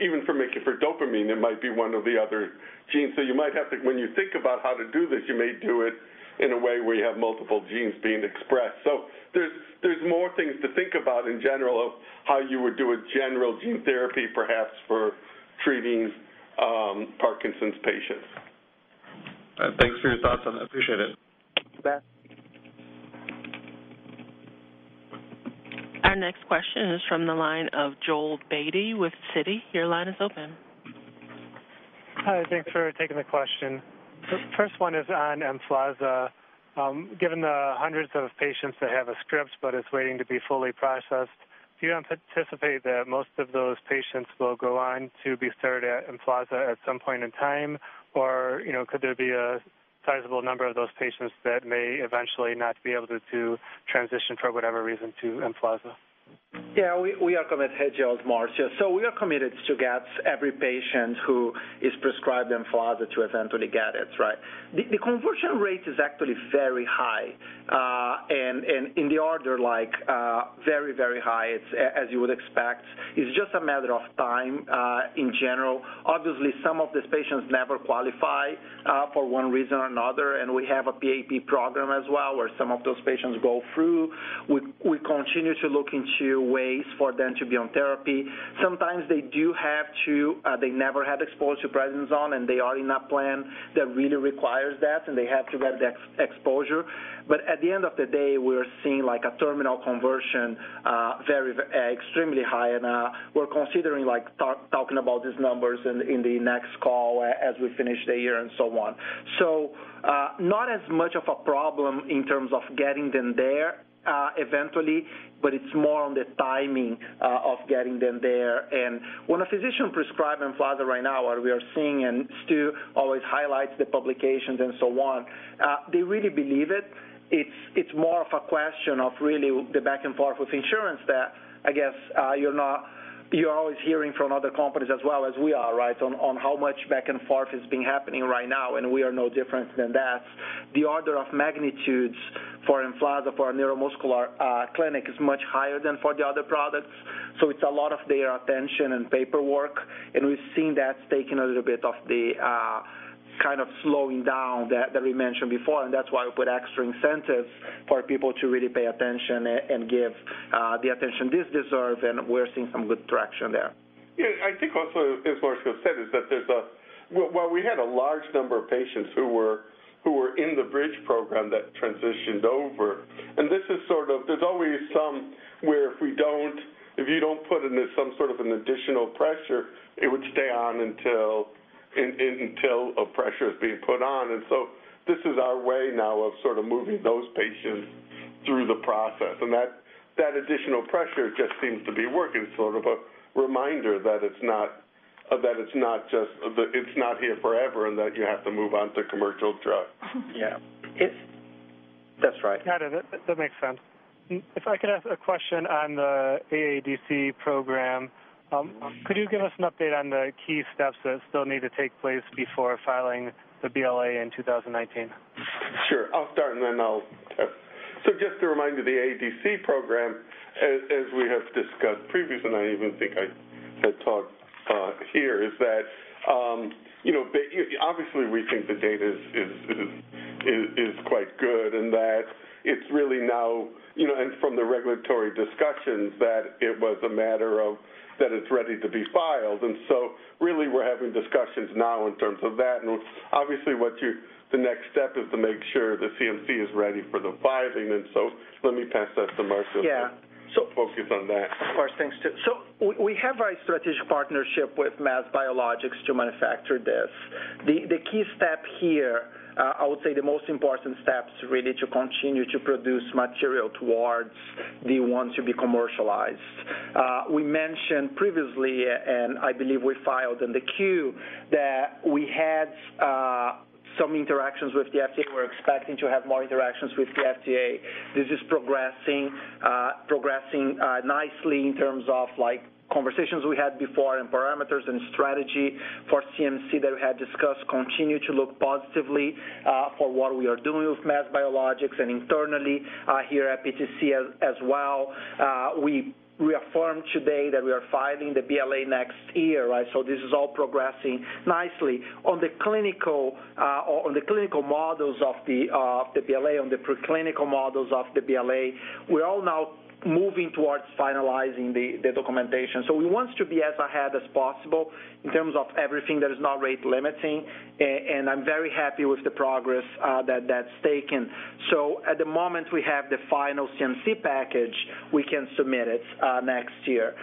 Even for making for dopamine, it might be one of the other genes. You might have to, when you think about how to do this, you may do it in a way where you have multiple genes being expressed. There's more things to think about in general of how you would do a general gene therapy, perhaps for treating Parkinson's patients. Thanks for your thoughts on that. Appreciate it. You bet. Our next question is from the line of Joel Beatty with Citi. Your line is open. Hi. Thanks for taking the question. First one is on EMFLAZA. Given the hundreds of patients that have a script but it's waiting to be fully processed, do you anticipate that most of those patients will go on to be started at EMFLAZA at some point in time? Or could there be a sizable number of those patients that may eventually not be able to transition for whatever reason to EMFLAZA? Yeah, we are committed, Joel. Martin. We are committed to get every patient who is prescribed EMFLAZA to eventually get it, right? The conversion rate is actually very high. In the order, like very, very high, as you would expect. It's just a matter of time, in general. Obviously, some of these patients never qualify, for one reason or another, and we have a PAP program as well, where some of those patients go through. We continue to look into ways for them to be on therapy. Sometimes they never had exposure to prednisone, and they are in a plan that really requires that, and they have to get exposure. At the end of the day, we're seeing like a terminal conversion extremely high, and we're considering talking about these numbers in the next call as we finish the year and so on. Not as much of a problem in terms of getting them there, eventually, but it's more on the timing of getting them there. When a physician prescribe EMFLAZA right now, what we are seeing, and Stu always highlights the publications and so on, they really believe it. It's more of a question of really the back and forth with insurance that I guess, you're always hearing from other companies as well as we are, right? On how much back and forth has been happening right now, and we are no different than that. The order of magnitudes for EMFLAZA, for our neuromuscular clinic is much higher than for the other products. It's a lot of their attention and paperwork, and we've seen that's taking a little bit of the slowing down that we mentioned before, and that's why we put extra incentives for people to really pay attention and give the attention this deserves, and we're seeing some good traction there. Yeah, I think also, as Marcio said, we had a large number of patients who were in the bridge program that transitioned over. This is sort of, there's always some where if you don't put in some sort of an additional pressure, it would stay on until a pressure is being put on. This is our way now of sort of moving those patients through the process. That additional pressure just seems to be working. It's sort of a reminder that it's not here forever, and that you have to move on to commercial drug. Yeah. That's right. Got it. That makes sense. If I could ask a question on the AADC program. Could you give us an update on the key steps that still need to take place before filing the BLA in 2019? Sure. I'll start. Then I'll test. Just a reminder, the AADC program, as we have discussed previously, and I even think I had talked here, is that obviously we think the data is quite good and that it's really now, from the regulatory discussions, that it was a matter of that it's ready to be filed. Really, we're having discussions now in terms of that. Obviously the next step is to make sure the CMC is ready for the filing. Let me pass that to Marcio- Yeah to focus on that. Of course. Thanks, Stu. We have a strategic partnership with MassBiologics to manufacture this. The key step here, I would say the most important step is really to continue to produce material towards the ones to be commercialized. We mentioned previously, and I believe we filed in the Q that we had some interactions with the FDA. We're expecting to have more interactions with the FDA. This is progressing nicely in terms of conversations we had before and parameters and strategy for CMC that we had discussed continue to look positively for what we are doing with MassBiologics and internally here at PTC as well. We affirmed today that we are filing the BLA next year. This is all progressing nicely. On the clinical models of the BLA, on the preclinical models of the BLA, we're all now moving towards finalizing the documentation. We want to be as ahead as possible in terms of everything that is not rate limiting. I'm very happy with the progress that that's taken. At the moment we have the final CMC package, we can submit it next year.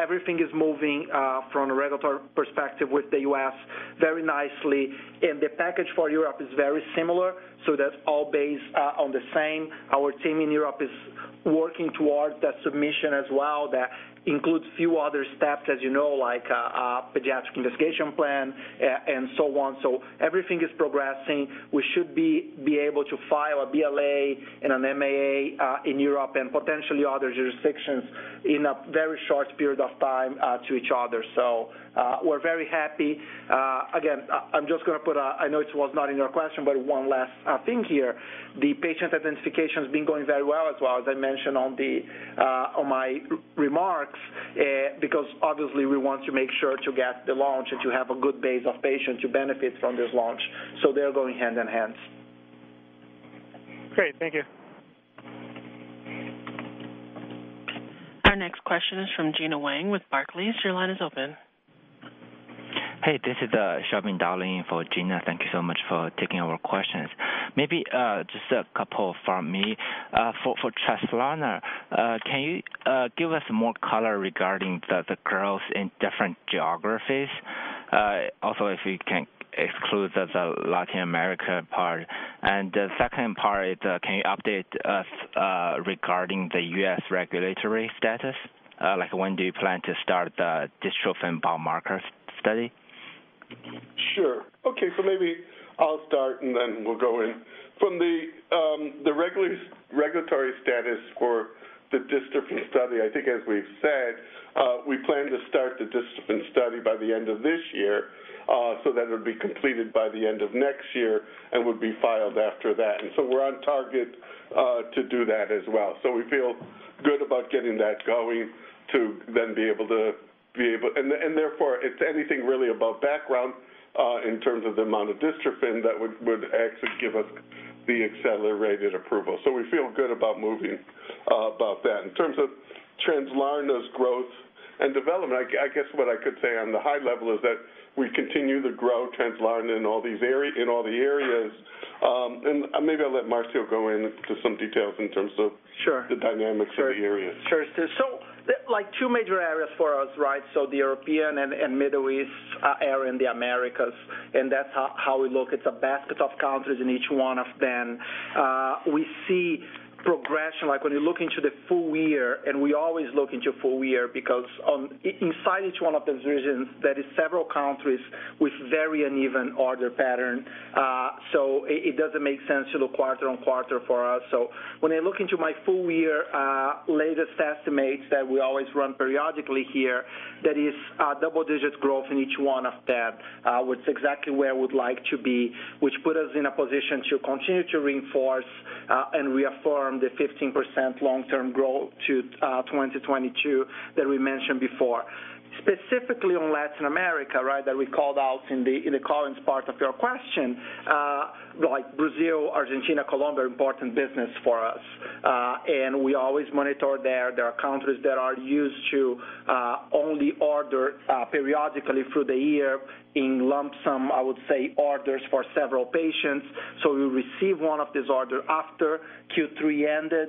Everything is moving from a regulatory perspective with the U.S. very nicely. The package for Europe is very similar. That's all based on the same. Our team in Europe is working towards that submission as well. That includes few other steps, as you know, like pediatric investigation plan and so on. Everything is progressing. We should be able to file a BLA and an MAA in Europe and potentially other jurisdictions in a very short period of time to each other. We're very happy. Again, I know it was not in your question, but one last thing here. The patient identification has been going very well as well, as I mentioned on my remarks, because obviously we want to make sure to get the launch and to have a good base of patients who benefit from this launch. They're going hand in hand. Great. Thank you. Our next question is from Gena Wang with Barclays. Your line is open. Hey, this is Sherman Dahlin for Gena. Thank you so much for taking our questions. Maybe just a couple from me. For Translarna, can you give us more color regarding the growth in different geographies? Also if you can exclude the Latin America part. The second part is can you update us regarding the U.S. regulatory status? Like when do you plan to start the dystrophin biomarker study? Sure. Okay. Maybe I'll start and then we'll go in. From the regulatory status for the dystrophin study, I think as we've said, we plan to start the dystrophin study by the end of this year, so that it'll be completed by the end of next year and would be filed after that. We're on target to do that as well. We feel good about getting that going. Therefore it's anything really above background, in terms of the amount of dystrophin that would actually give us the accelerated approval. We feel good about moving about that. In terms of Translarna's growth and development, I guess what I could say on the high level is that we continue to grow Translarna in all the areas. Maybe I'll let Marcio go into some details in terms of- Sure the dynamics of the area. Sure, Stu. Two major areas for us, right? The European and Middle East area and the Americas, that's how we look. It's a basket of countries in each one of them. We see progression, when you look into the full year, and we always look into full year because inside each one of those regions, there is several countries with very uneven order pattern. It doesn't make sense to look quarter-on-quarter for us. When I look into my full year latest estimates that we always run periodically here, that is double-digit growth in each one of them, which is exactly where I would like to be, which put us in a position to continue to reinforce and reaffirm the 15% long-term growth to 2022 that we mentioned before. Specifically on Latin America, that we called out in the Collins part of your question, like Brazil, Argentina, Colombia, important business for us. We always monitor there. There are countries that are used to only order periodically through the year in lump sum, I would say, orders for several patients. We receive one of these orders after Q3 ended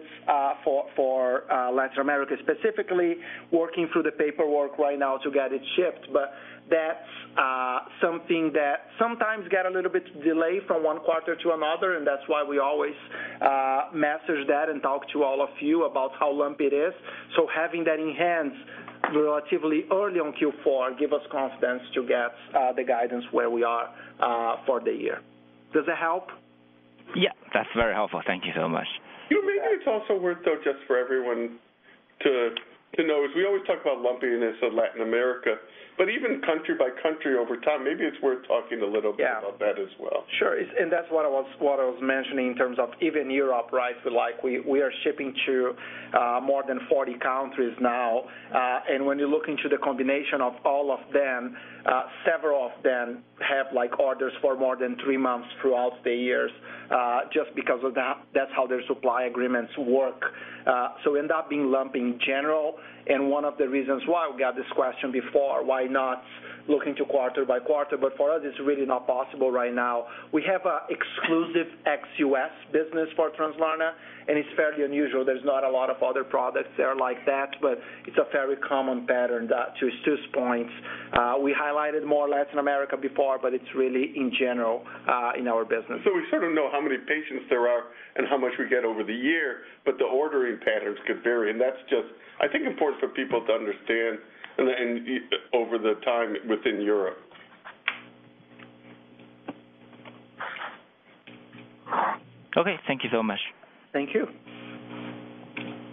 for Latin America specifically, working through the paperwork right now to get it shipped. That's something that sometimes get a little bit delay from one quarter to another, and that's why we always message that and talk to all of you about how lump it is. Having that in hand relatively early in Q4 give us confidence to get the guidance where we are for the year. Does that help? Yeah. That's very helpful. Thank you so much. Maybe it's also worth, though, just for everyone to know, is we always talk about lumpiness of Latin America, but even country by country over time, maybe it's worth talking a little bit- Yeah about that as well. Sure. That's what I was mentioning in terms of even Europe, right? We are shipping to more than 40 countries now. When you look into the combination of all of them, several of them have orders for more than three months throughout the years, just because of that's how their supply agreements work. It end up being lumpy in general. One of the reasons why we got this question before, why not looking to quarter by quarter, for us, it's really not possible right now. We have a exclusive ex-U.S. business for Translarna, it's fairly unusual. There's not a lot of other products that are like that, it's a very common pattern, to Stu's points. We highlighted more Latin America before, it's really in general, in our business. We sort of know how many patients there are and how much we get over the year, but the ordering patterns could vary. That's just, I think, important for people to understand over the time within Europe. Okay. Thank you so much. Thank you.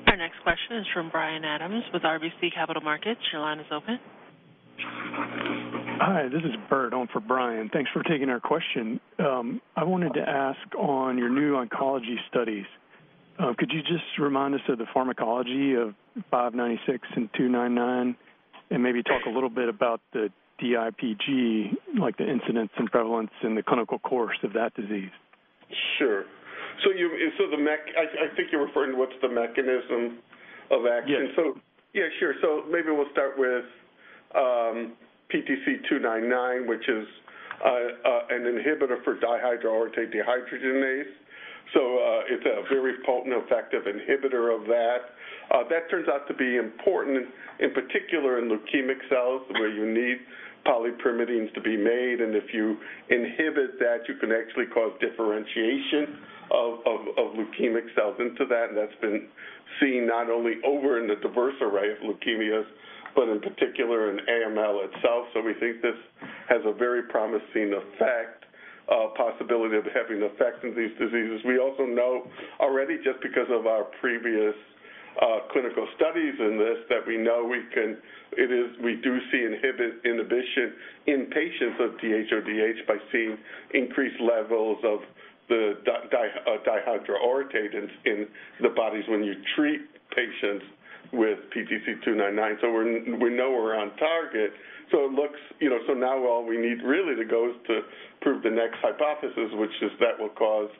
Our next question is from Brian Abrahams with RBC Capital Markets. Your line is open. Hi, this is Bert on for Brian. Thanks for taking our question. I wanted to ask on your new oncology studies, could you just remind us of the pharmacology of 596 and 299, and maybe talk a little bit about the DIPG, like the incidence and prevalence in the clinical course of that disease? Sure. I think you're referring to what's the mechanism of action. Yes. Yeah, sure. Maybe we'll start with PTC299, which is an inhibitor for dihydroorotate dehydrogenase. It's a very potent effective inhibitor of that. That turns out to be important, in particular in leukemic cells, where you need pyrimidines to be made, and if you inhibit that, you can actually cause differentiation of leukemic cells into that, and that's been seen not only over in the diverse array of leukemias, but in particular in AML itself. We think this has a very promising effect, possibility of having effect in these diseases. We also know already just because of our previous clinical studies in this, that we know we do see inhibition in patients of DHODH by seeing increased levels of the dihydroorotate in the bodies when you treat patients with PTC299. We know we're on target. Now all we need really to go is to prove the next hypothesis, which is that will cause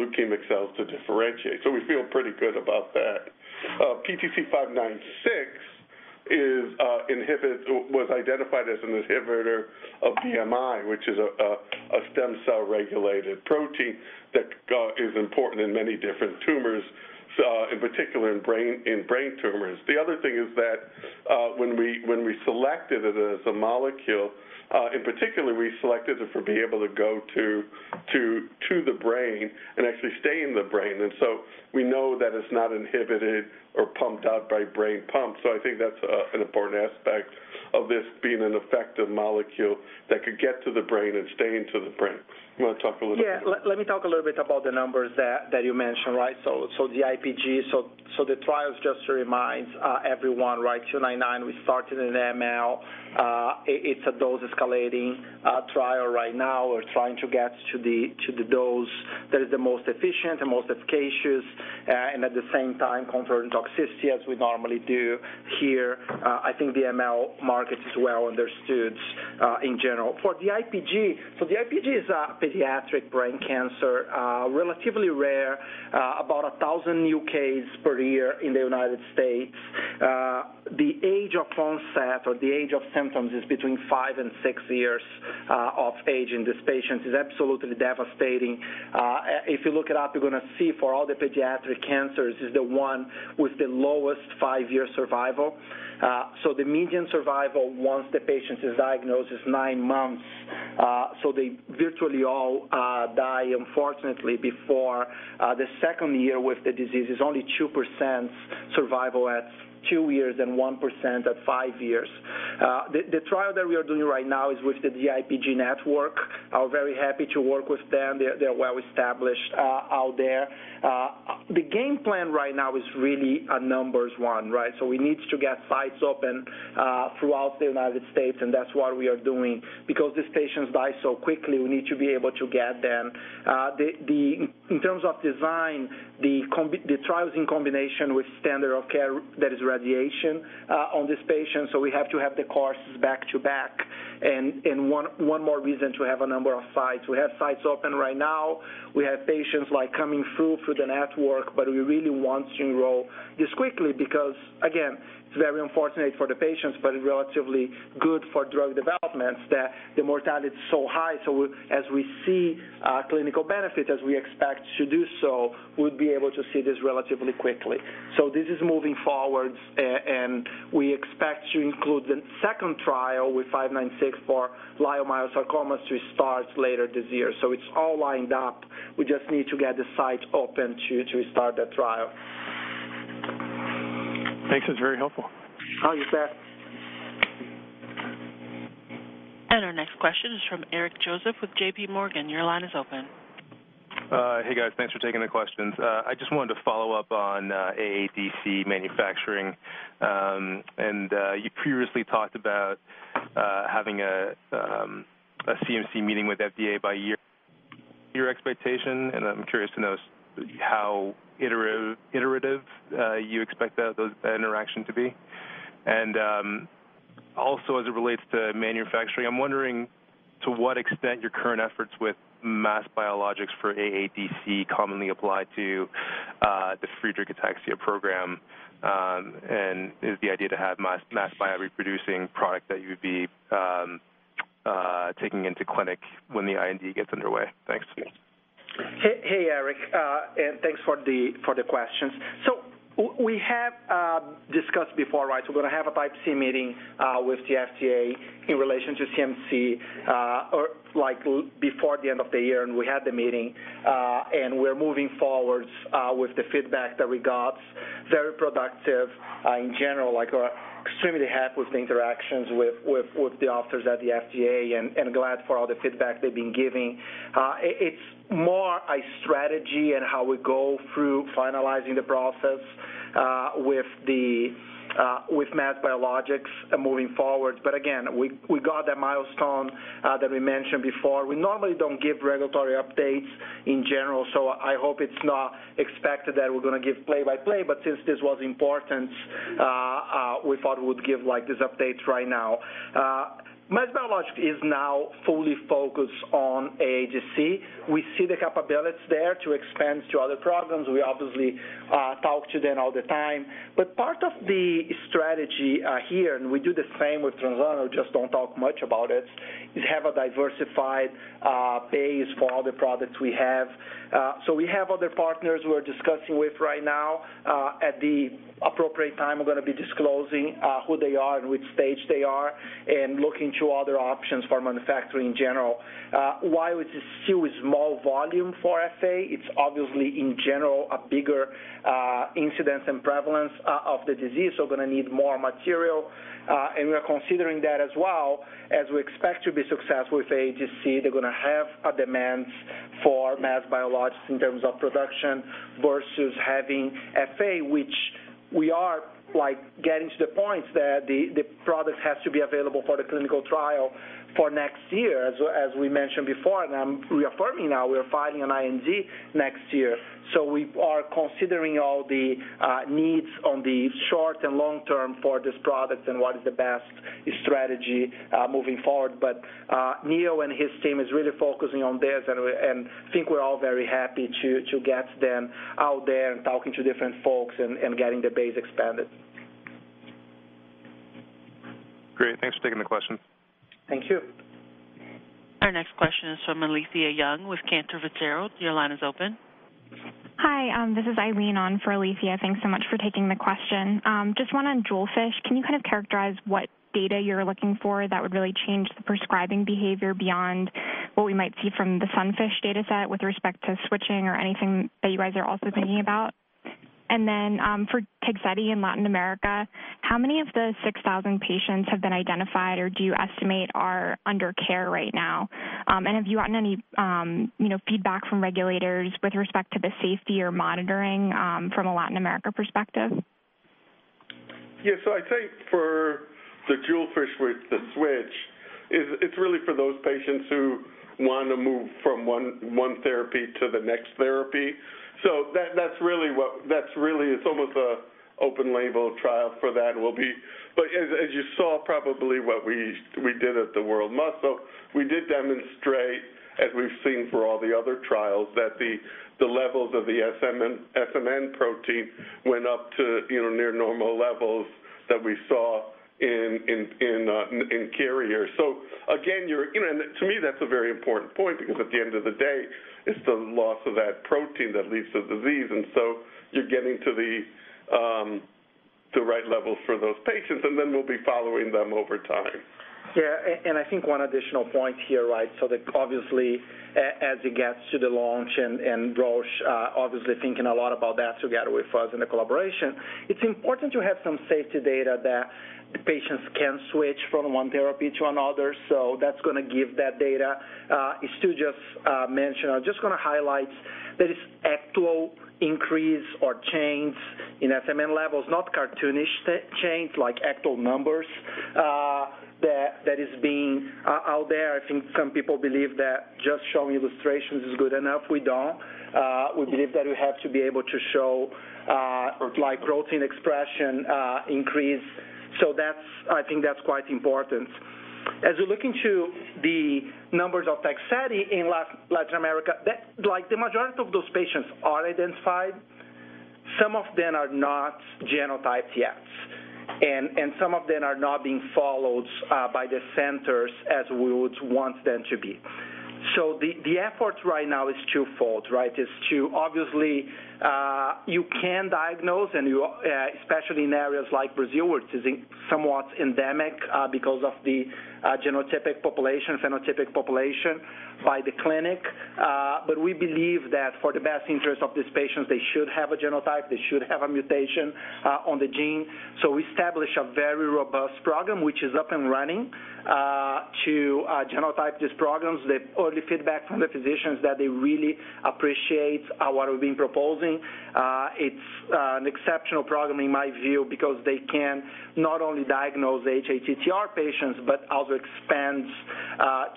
leukemic cells to differentiate. We feel pretty good about that. PTC 596 was identified as an inhibitor of BMI-1, which is a stem cell-regulated protein that is important in many different tumors, in particular in brain tumors. The other thing is that when we selected it as a molecule, in particular, we selected it for being able to go to the brain and actually stay in the brain. We know that it's not inhibited or pumped out by brain pumps. I think that's an important aspect of this being an effective molecule that could get to the brain and stay into the brain. You want to talk a little bit about. Yeah. Let me talk a little bit about the numbers that you mentioned. DIPG, so the trials, just to remind everyone, 299, we started in AML. It's a dose-escalating trial right now. We're trying to get to the dose that is the most efficient and most efficacious, and at the same time confirm toxicity as we normally do here. I think the AML market is well understood in general. For the DIPG, the DIPG is a pediatric brain cancer, relatively rare, about 1,000 new case per year in the U.S. The age of onset or the age of symptoms is between five and six years of age in this patient. It's absolutely devastating. If you look it up, you're going to see for all the pediatric cancers is the one with the lowest five-year survival. The median survival, once the patient is diagnosed, is nine months. They virtually all die, unfortunately, before the second year with the disease. It's only 2% survival at two years and 1% at five years. The trial that we are doing right now is with the DIPG Network. We are very happy to work with them. They're well established out there. The game plan right now is really a numbers one. We need to get sites open throughout the U.S., and that's what we are doing. Because these patients die so quickly, we need to be able to get them. In terms of design, the trial's in combination with standard of care, that is radiation, on this patient, so we have to have the courses back to back. One more reason to have a number of sites. We have sites open right now. We have patients coming through for the network, but we really want to enroll this quickly because, again, it's very unfortunate for the patients, but relatively good for drug developments that the mortality is so high. As we see clinical benefit, as we expect to do so, we'll be able to see this relatively quickly. This is moving forward, and we expect to include the second trial with 596 for leiomyosarcomas to start later this year. It's all lined up. We just need to get the site open to start that trial. Thanks. That's very helpful. Oh, you bet. Our next question is from Eric Joseph with JP Morgan. Your line is open. Hey, guys. Thanks for taking the questions. I just wanted to follow up on AADC manufacturing. You previously talked about having a CMC meeting with FDA by year your expectation, I'm curious to know how iterative you expect that interaction to be. Also, as it relates to manufacturing, I'm wondering to what extent your current efforts with MassBiologics for AADC commonly apply to the Friedreich's ataxia program. Is the idea to have MassBio reproducing product that you would be taking into clinic when the IND gets underway? Thanks. Hey, Eric, and thanks for the questions. We have discussed before, right? We're going to have a Type C meeting with the FDA in relation to CMC or before the end of the year. We had the meeting, and we're moving forward with the feedback that we got. Very productive in general. Extremely happy with the interactions with the officers at the FDA and glad for all the feedback they've been giving. It's more a strategy and how we go through finalizing the process with MassBiologics moving forward. Again, we got that milestone that we mentioned before. We normally don't give regulatory updates in general, I hope it's not expected that we're going to give play by play. Since this was important, we thought we would give this update right now. MassBiologics is now fully focused on AADC. We see the capabilities there to expand to other programs. We obviously talk to them all the time. Part of the strategy here, and we do the same with Translarna, we just don't talk much about it, is have a diversified base for all the products we have. We have other partners we're discussing with right now. At the appropriate time, we're going to be disclosing who they are and which stage they are and looking to other options for manufacturing in general. While it is still a small volume for FA, it's obviously, in general, a bigger incidence and prevalence of the disease, so we're going to need more material. We are considering that as well as we expect to be successful with AADC. They're going to have demands for MassBiologics in terms of production versus having FA, which we are getting to the point that the product has to be available for the clinical trial for next year, as we mentioned before. I'm reaffirming now we're filing an IND next year. We are considering all the needs on the short and long term for this product and what is the best strategy moving forward. Neil and his team is really focusing on this, and I think we're all very happy to get them out there and talking to different folks and getting the base expanded. Great. Thanks for taking the question. Thank you. Our next question is from Alethia Young with Cantor Fitzgerald. Your line is open. Hi. This is Irene on for Alethia. Thanks so much for taking the question. Just one on JEWELFISH. Can you characterize what data you're looking for that would really change the prescribing behavior beyond what we might see from the SUNFISH data set with respect to switching or anything that you guys are also thinking about? Then for Tegsedi in Latin America, how many of the 6,000 patients have been identified, or do you estimate are under care right now? Have you gotten any feedback from regulators with respect to the safety or monitoring from a Latin America perspective? Yeah. I'd say for the JEWELFISH with the switch, it's really for those patients who want to move from one therapy to the next therapy. It's almost an open label trial for that. As you saw, probably what we did at the World Muscle, we did demonstrate, as we've seen for all the other trials, that the levels of the SMN protein went up to near normal levels that we saw in carriers. Again, to me, that's a very important point, because at the end of the day, it's the loss of that protein that leads to disease. You're getting to the right levels for those patients, then we'll be following them over time. Yeah, I think one additional point here, right? Obviously, as it gets to the launch and Roche obviously thinking a lot about that together with us in the collaboration, it's important to have some safety data that patients can switch from one therapy to another. That's going to give that data. Stu just mentioned, I'm just going to highlight that it's actual increase or change in SMN levels, not cartoonish change, like actual numbers that is being out there. I think some people believe that just showing illustrations is good enough. We don't. We believe that we have to be able to show- Of course protein expression increase. I think that's quite important. We look into the numbers of Tegsedi in Latin America, the majority of those patients are identified. Some of them are not genotyped yet, and some of them are not being followed by the centers as we would want them to be. The effort right now is twofold. Obviously, you can diagnose, and especially in areas like Brazil, which is somewhat endemic because of the genotypic population, phenotypic population by the clinic. We believe that for the best interest of these patients, they should have a genotype; they should have a mutation on the gene. We established a very robust program, which is up and running, to genotype these programs. The early feedback from the physicians that they really appreciate what we've been proposing. It's an exceptional program, in my view, because they can not only diagnose the hATTR patients, but also expands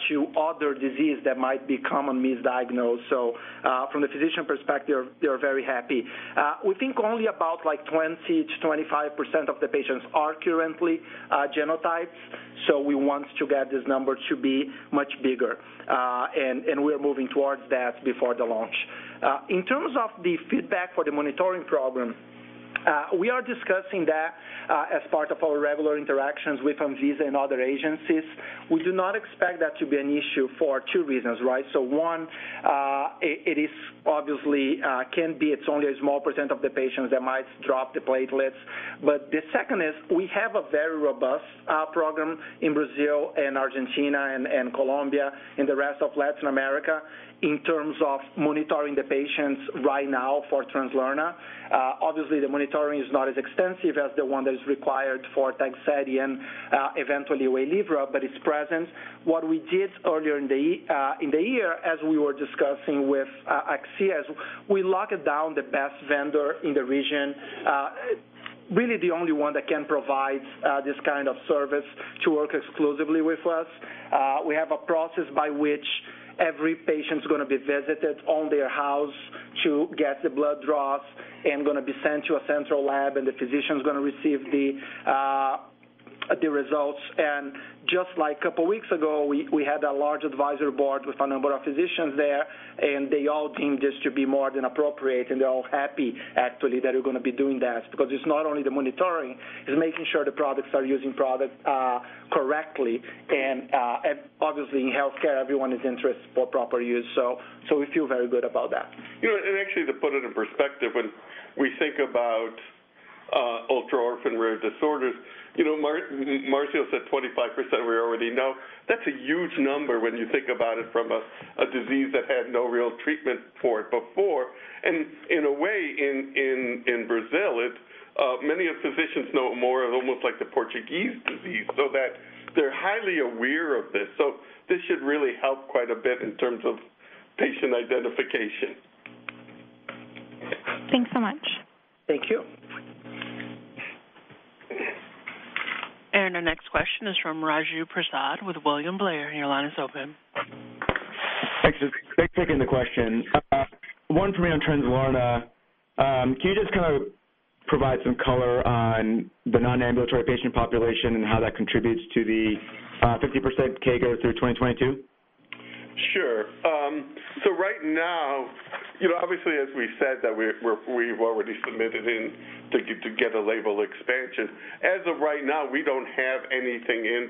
to other disease that might become misdiagnosed. From the physician perspective, they're very happy. We think only about 20%-25% of the patients are currently genotypes. We want to get this number to be much bigger. We're moving towards that before the launch. In terms of the feedback for the monitoring program, we are discussing that as part of our regular interactions with Anvisa and other agencies. We do not expect that to be an issue for two reasons. One, it's only a small % of the patients that might drop the platelets. The second is we have a very robust program in Brazil and Argentina and Colombia and the rest of Latin America in terms of monitoring the patients right now for Translarna. Obviously, the monitoring is not as extensive as the one that is required for Tegsedi and eventually WAYLIVRA, but it's present. What we did earlier in the year, as we were discussing with Akcea, we locked down the best vendor in the region. Really the only one that can provide this kind of service to work exclusively with us. We have a process by which every patient's going to be visited on their house to get the blood draws and going to be sent to a central lab, and the physician's going to receive the results. Just like a couple of weeks ago, we had a large advisory board with a number of physicians there. They all deemed this to be more than appropriate. They're all happy, actually, that we're going to be doing that because it's not only the monitoring, it's making sure they're using products correctly. Obviously in healthcare, everyone is interested for proper use. We feel very good about that. Actually, to put it in perspective, when we think about ultra-orphan rare disorders, Marcio said 25% we already know. That's a huge number when you think about it from a disease that had no real treatment for it before. In a way, in Brazil, many physicians know it more as almost like the Portuguese disease, so that they're highly aware of this. This should really help quite a bit in terms of patient identification. Thanks so much. Thank you. Our next question is from Raju Prasad with William Blair. Your line is open. Thanks. Just taking the question. One for me on Translarna. Can you just provide some color on the non-ambulatory patient population and how that contributes to the 15% CAGR go through 2022? Sure. Right now, obviously, as we've said, that we've already submitted in to get a label expansion. As of right now, we don't have anything in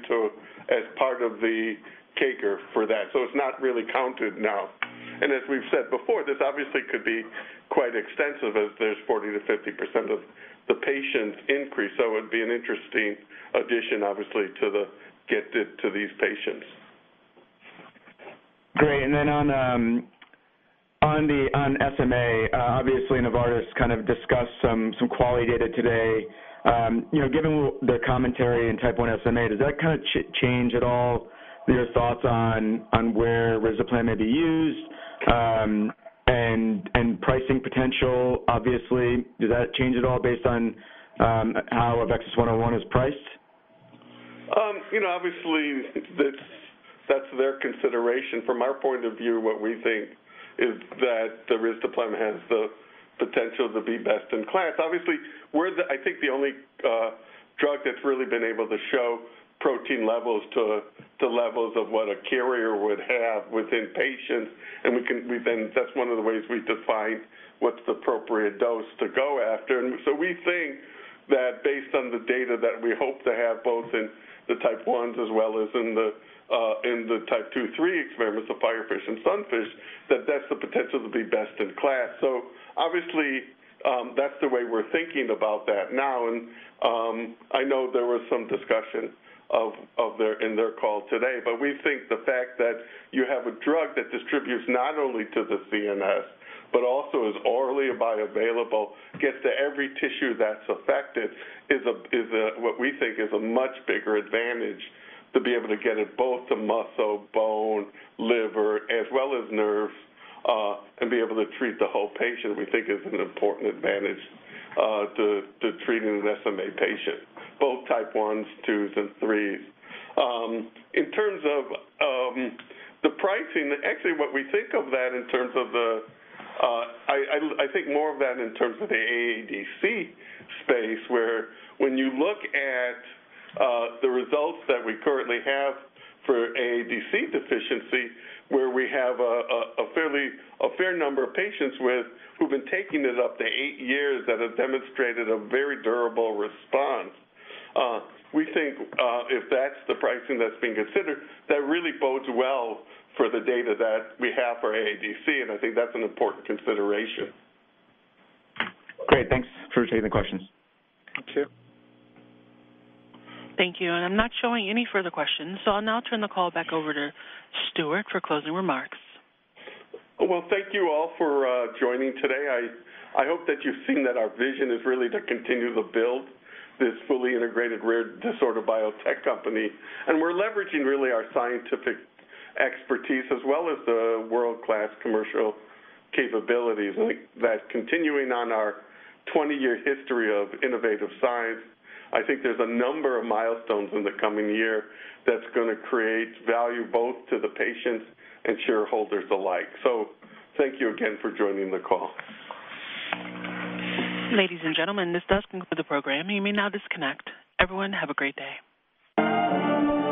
as part of the CAGR for that, it's not really counted now. As we've said before, this obviously could be quite extensive as there's 40%-50% of the patients increase. It would be an interesting addition, obviously, to get to these patients. Great. Then on SMA, obviously Novartis discussed some quality data today. Given the commentary in type 1 SMA, does that change at all your thoughts on where risdiplam may be used, and pricing potential, obviously, does that change at all based on how Zolgensma is priced? Obviously, that's their consideration. From our point of view, what we think is that the risdiplam has the potential to be best in class. Obviously, we're, I think, the only drug that's really been able to show protein levels to levels of what a carrier would have within patients. That's one of the ways we define what's the appropriate dose to go after. We think that based on the data that we hope to have, both in the type 1s as well as in the type 2, 3 experiments of FIREFISH and SUNFISH, that that's the potential to be best in class. Obviously, that's the way we're thinking about that now. I know there was some discussion in their call today. We think the fact that you have a drug that distributes not only to the CNS, but also is orally bioavailable, gets to every tissue that's affected, is what we think is a much bigger advantage to be able to get it both to muscle, bone, liver, as well as nerve, and be able to treat the whole patient, we think is an important advantage to treating an SMA patient, both type 1s, 2s, and 3s. In terms of the pricing, actually, what we think of that in terms of the AADC space, where when you look at the results that we currently have for AADC deficiency, where we have a fair number of patients who've been taking it up to eight years that have demonstrated a very durable response. We think if that's the pricing that's being considered, that really bodes well for the data that we have for AADC, I think that's an important consideration. Great. Thanks. Appreciate the questions. Thank you. Thank you. I'm not showing any further questions. I'll now turn the call back over to Stuart for closing remarks. Well, thank you all for joining today. I hope that you've seen that our vision is really to continue to build this fully integrated rare disorder biotech company. We're leveraging really our scientific expertise as well as the world-class commercial capabilities that's continuing on our 20-year history of innovative science. I think there's a number of milestones in the coming year that's going to create value both to the patients and shareholders alike. Thank you again for joining the call. Ladies and gentlemen, this does conclude the program. You may now disconnect. Everyone, have a great day.